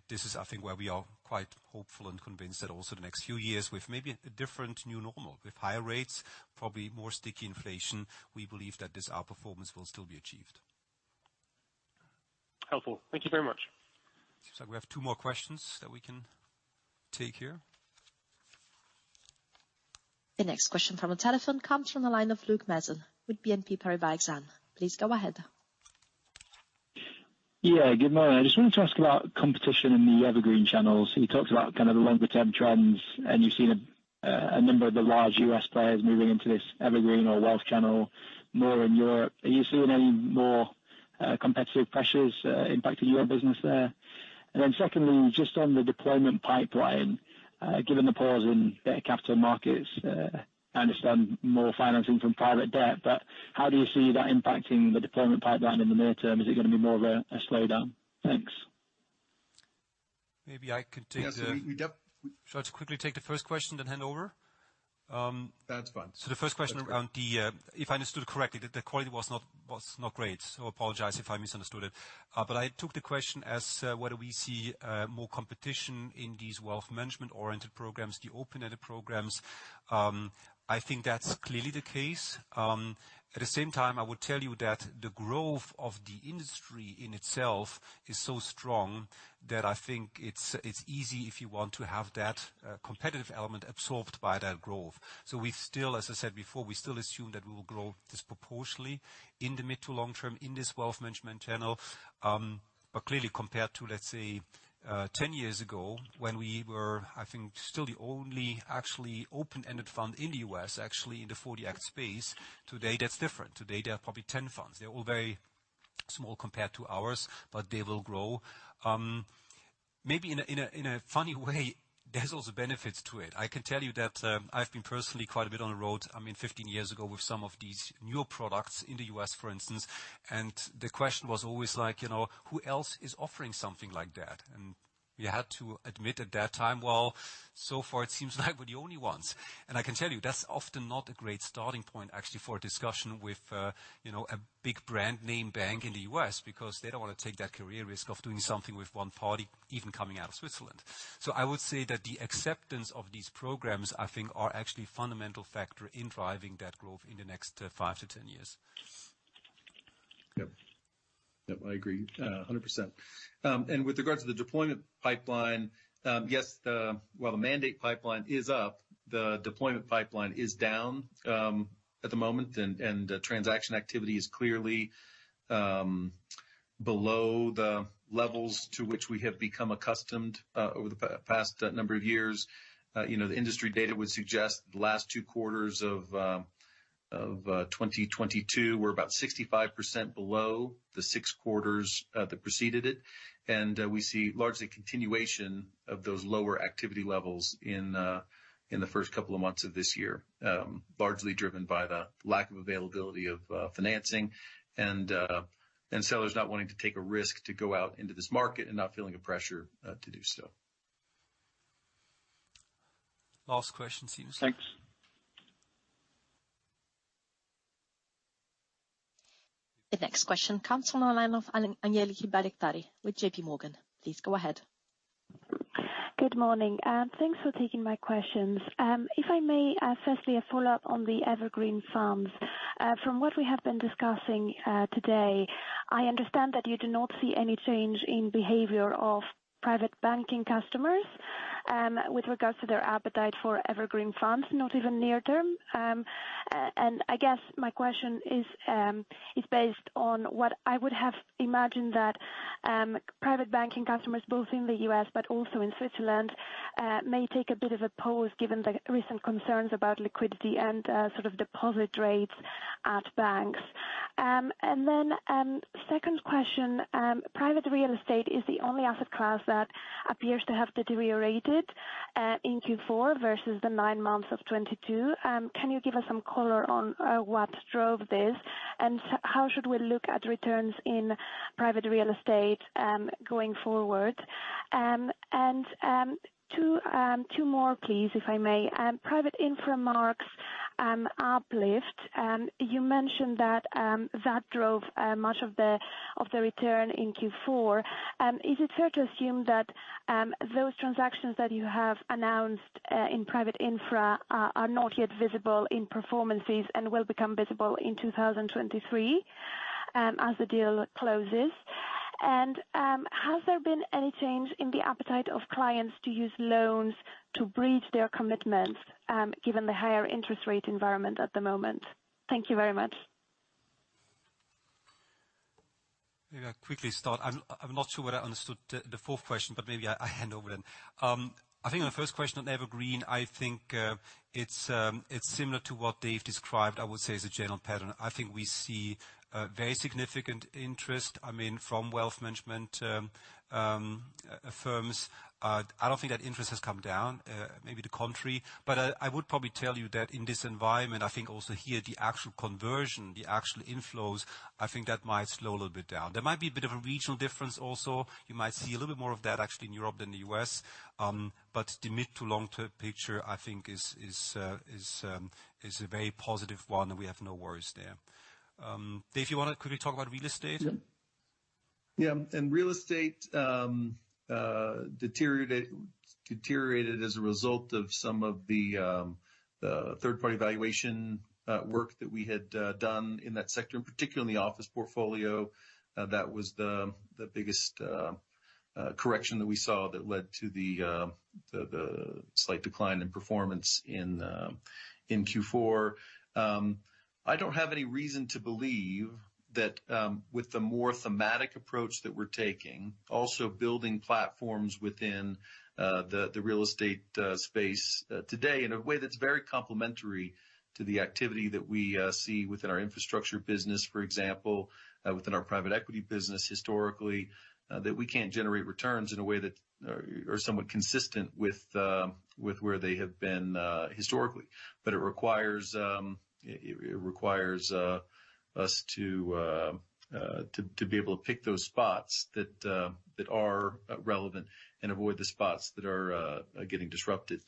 Speaker 3: This is, I think, where we are quite hopeful and convinced that also the next few years with maybe a different new normal, with higher rates, probably more sticky inflation, we believe that this outperformance will still be achieved.
Speaker 11: Helpful. Thank you very much.
Speaker 1: Seems like we have two more questions that we can take here.
Speaker 9: The next question from the telephone comes from the line of Luke Mason with BNP Paribas Exane. Please go ahead.
Speaker 12: Yeah, good morning. I just wanted to ask about competition in the evergreen channels. You talked about kind of the longer term trends. You've seen a number of the large U.S. players moving into this evergreen or wealth channel more in Europe. Are you seeing any more competitive pressures impacting your business there? Secondly, just on the deployment pipeline, given the pause in capital markets, I understand more financing from private debt, but how do you see that impacting the deployment pipeline in the near term? Is it gonna be more of a slowdown? Thanks.
Speaker 3: Maybe I could take.
Speaker 2: Yes, we, yep.
Speaker 3: Shall I quickly take the first question, then hand over?
Speaker 2: That's fine.
Speaker 3: The first question around the if I understood correctly, the quality was not great, so apologize if I misunderstood it. But I took the question as whether we see more competition in these wealth management oriented programs, the open-ended programs. I think that's clearly the case. At the same time, I would tell you that the growth of the industry in itself is so strong that I think it's easy if you want to have that competitive element absorbed by that growth. We still, as I said before, we still assume that we will grow disproportionately in the mid to long term in this wealth management channel. But clearly, compared to, let's say, 10 years ago, when we were, I think, still the only actually open-ended fund in the U.S. actually in the 40 Act space. Today that's different. Today there are probably 10 funds. They're all very small compared to ours, but they will grow. Maybe in a funny way, there's also benefits to it. I can tell you that, I've been personally quite a bit on the road, I mean, 15 years ago with some of these newer products in the U.S., for instance, the question was always like, you know, "Who else is offering something like that?" We had to admit at that time, well, so far it seems like we're the only ones. I can tell you that's often not a great starting point actually for a discussion with, you know, a big brand name bank in the U.S. because they don't want to take that career risk of doing something with one party even coming out of Switzerland. I would say that the acceptance of these programs, I think are actually fundamental factor in driving that growth in the next, 5-10 years.
Speaker 2: Yep. Yep, I agree, 100%. With regards to the deployment pipeline, yes, while the mandate pipeline is up, the deployment pipeline is down at the moment. Transaction activity is clearly below the levels to which we have become accustomed over the past number of years. You know, the industry data would suggest the last two quarters of 2022 were about 65% below the six quarters that preceded it. We see largely continuation of those lower activity levels in the first couple of months of this year, largely driven by the lack of availability of financing and sellers not wanting to take a risk to go out into this market and not feeling the pressure to do so.
Speaker 1: Last question, seems like.
Speaker 9: Thanks. The next question comes from the line of Angeliki Bairaktari with J.P. Morgan. Please go ahead.
Speaker 13: Good morning. Thanks for taking my questions. If I may, firstly a follow-up on the evergreen funds. From what we have been discussing today, I understand that you do not see any change in behavior of private banking customers with regards to their appetite for evergreen funds, not even near term. I guess my question is based on what I would have imagined that private banking customers, both in the U.S. but also in Switzerland, may take a bit of a pause given the recent concerns about liquidity and sort of deposit rates at banks. Second question, private real estate is the only asset class that appears to have deteriorated in Q4 versus the nine months of 2022. Can you give us some color on what drove this, and how should we look at returns in private real estate going forward? Two, two more please, if I may. Private infra marks uplift. You mentioned that that drove much of the return in Q4. Is it fair to assume that those transactions that you have announced in private infra are not yet visible in performances and will become visible in 2023 as the deal closes? Has there been any change in the appetite of clients to use loans to bridge their commitments, given the higher interest rate environment at the moment? Thank you very much.
Speaker 3: Maybe I quickly start. I'm not sure whether I understood the fourth question. Maybe I hand over then. I think on the first question on evergreen, I think it's similar to what Dave described, I would say, as a general pattern. I think we see very significant interest, I mean, from wealth management firms. I don't think that interest has come down, maybe the contrary. I would probably tell you that in this environment, I think also here, the actual conversion, the actual inflows, I think that might slow a little bit down. There might be a bit of a regional difference also. You might see a little bit more of that actually in Europe than the U.S. The mid to long-term picture, I think is a very positive one, and we have no worries there. Dave, you wanna quickly talk about real estate?
Speaker 2: Yeah. In real estate, deteriorated as a result of some of the third-party valuation work that we had done in that sector, and particularly in the office portfolio. That was the biggest correction that we saw that led to the slight decline in performance in Q4. I don't have any reason to believe that with the more thematic approach that we're taking, also building platforms within the real estate space today in a way that's very complementary to the activity that we see within our infrastructure business, for example, within our private equity business historically, that we can't generate returns in a way that are somewhat consistent with where they have been historically. It requires us to be able to pick those spots that are relevant and avoid the spots that are getting disrupted.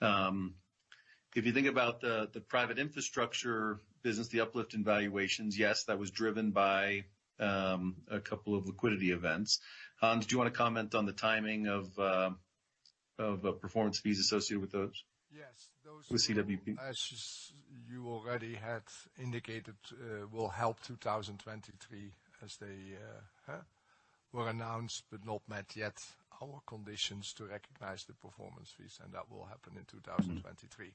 Speaker 2: If you think about the private infrastructure business, the uplift in valuations, yes, that was driven by a couple of liquidity events. Hans, do you wanna comment on the timing of performance fees associated with those?
Speaker 4: Yes.
Speaker 2: With CWP.
Speaker 4: As you already had indicated, will help 2023 as they, were announced but not met yet our conditions to recognize the performance fees. That will happen in 2023.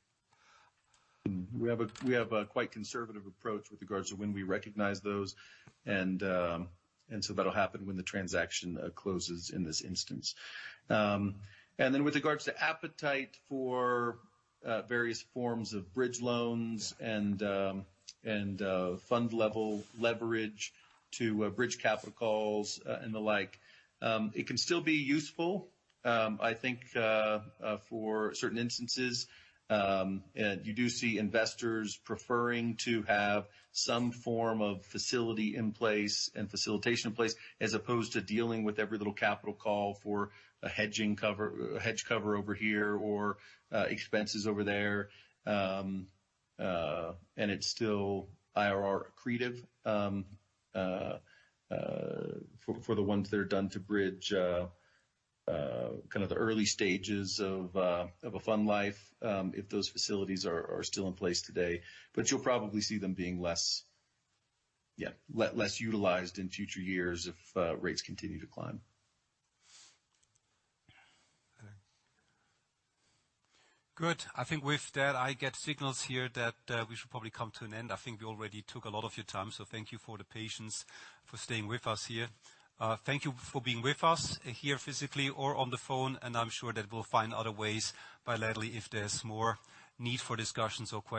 Speaker 2: We have a quite conservative approach with regards to when we recognize those. That'll happen when the transaction closes in this instance. Then with regards to appetite for various forms of bridge loans and fund level leverage to bridge capital calls and the like, it can still be useful, I think, for certain instances. You do see investors preferring to have some form of facility in place and facilitation in place as opposed to dealing with every little capital call for a hedge cover over here or expenses over there. It's still IRR accretive, for the ones that are done to bridge, kind of the early stages of a fund life, if those facilities are still in place today. You'll probably see them being less, yeah, less utilized in future years if rates continue to climb.
Speaker 1: Good. I think with that, I get signals here that we should probably come to an end. I think we already took a lot of your time. Thank you for the patience for staying with us here. Thank you for being with us here physically or on the phone. I'm sure that we'll find other ways bilaterally if there's more need for discussions or questions.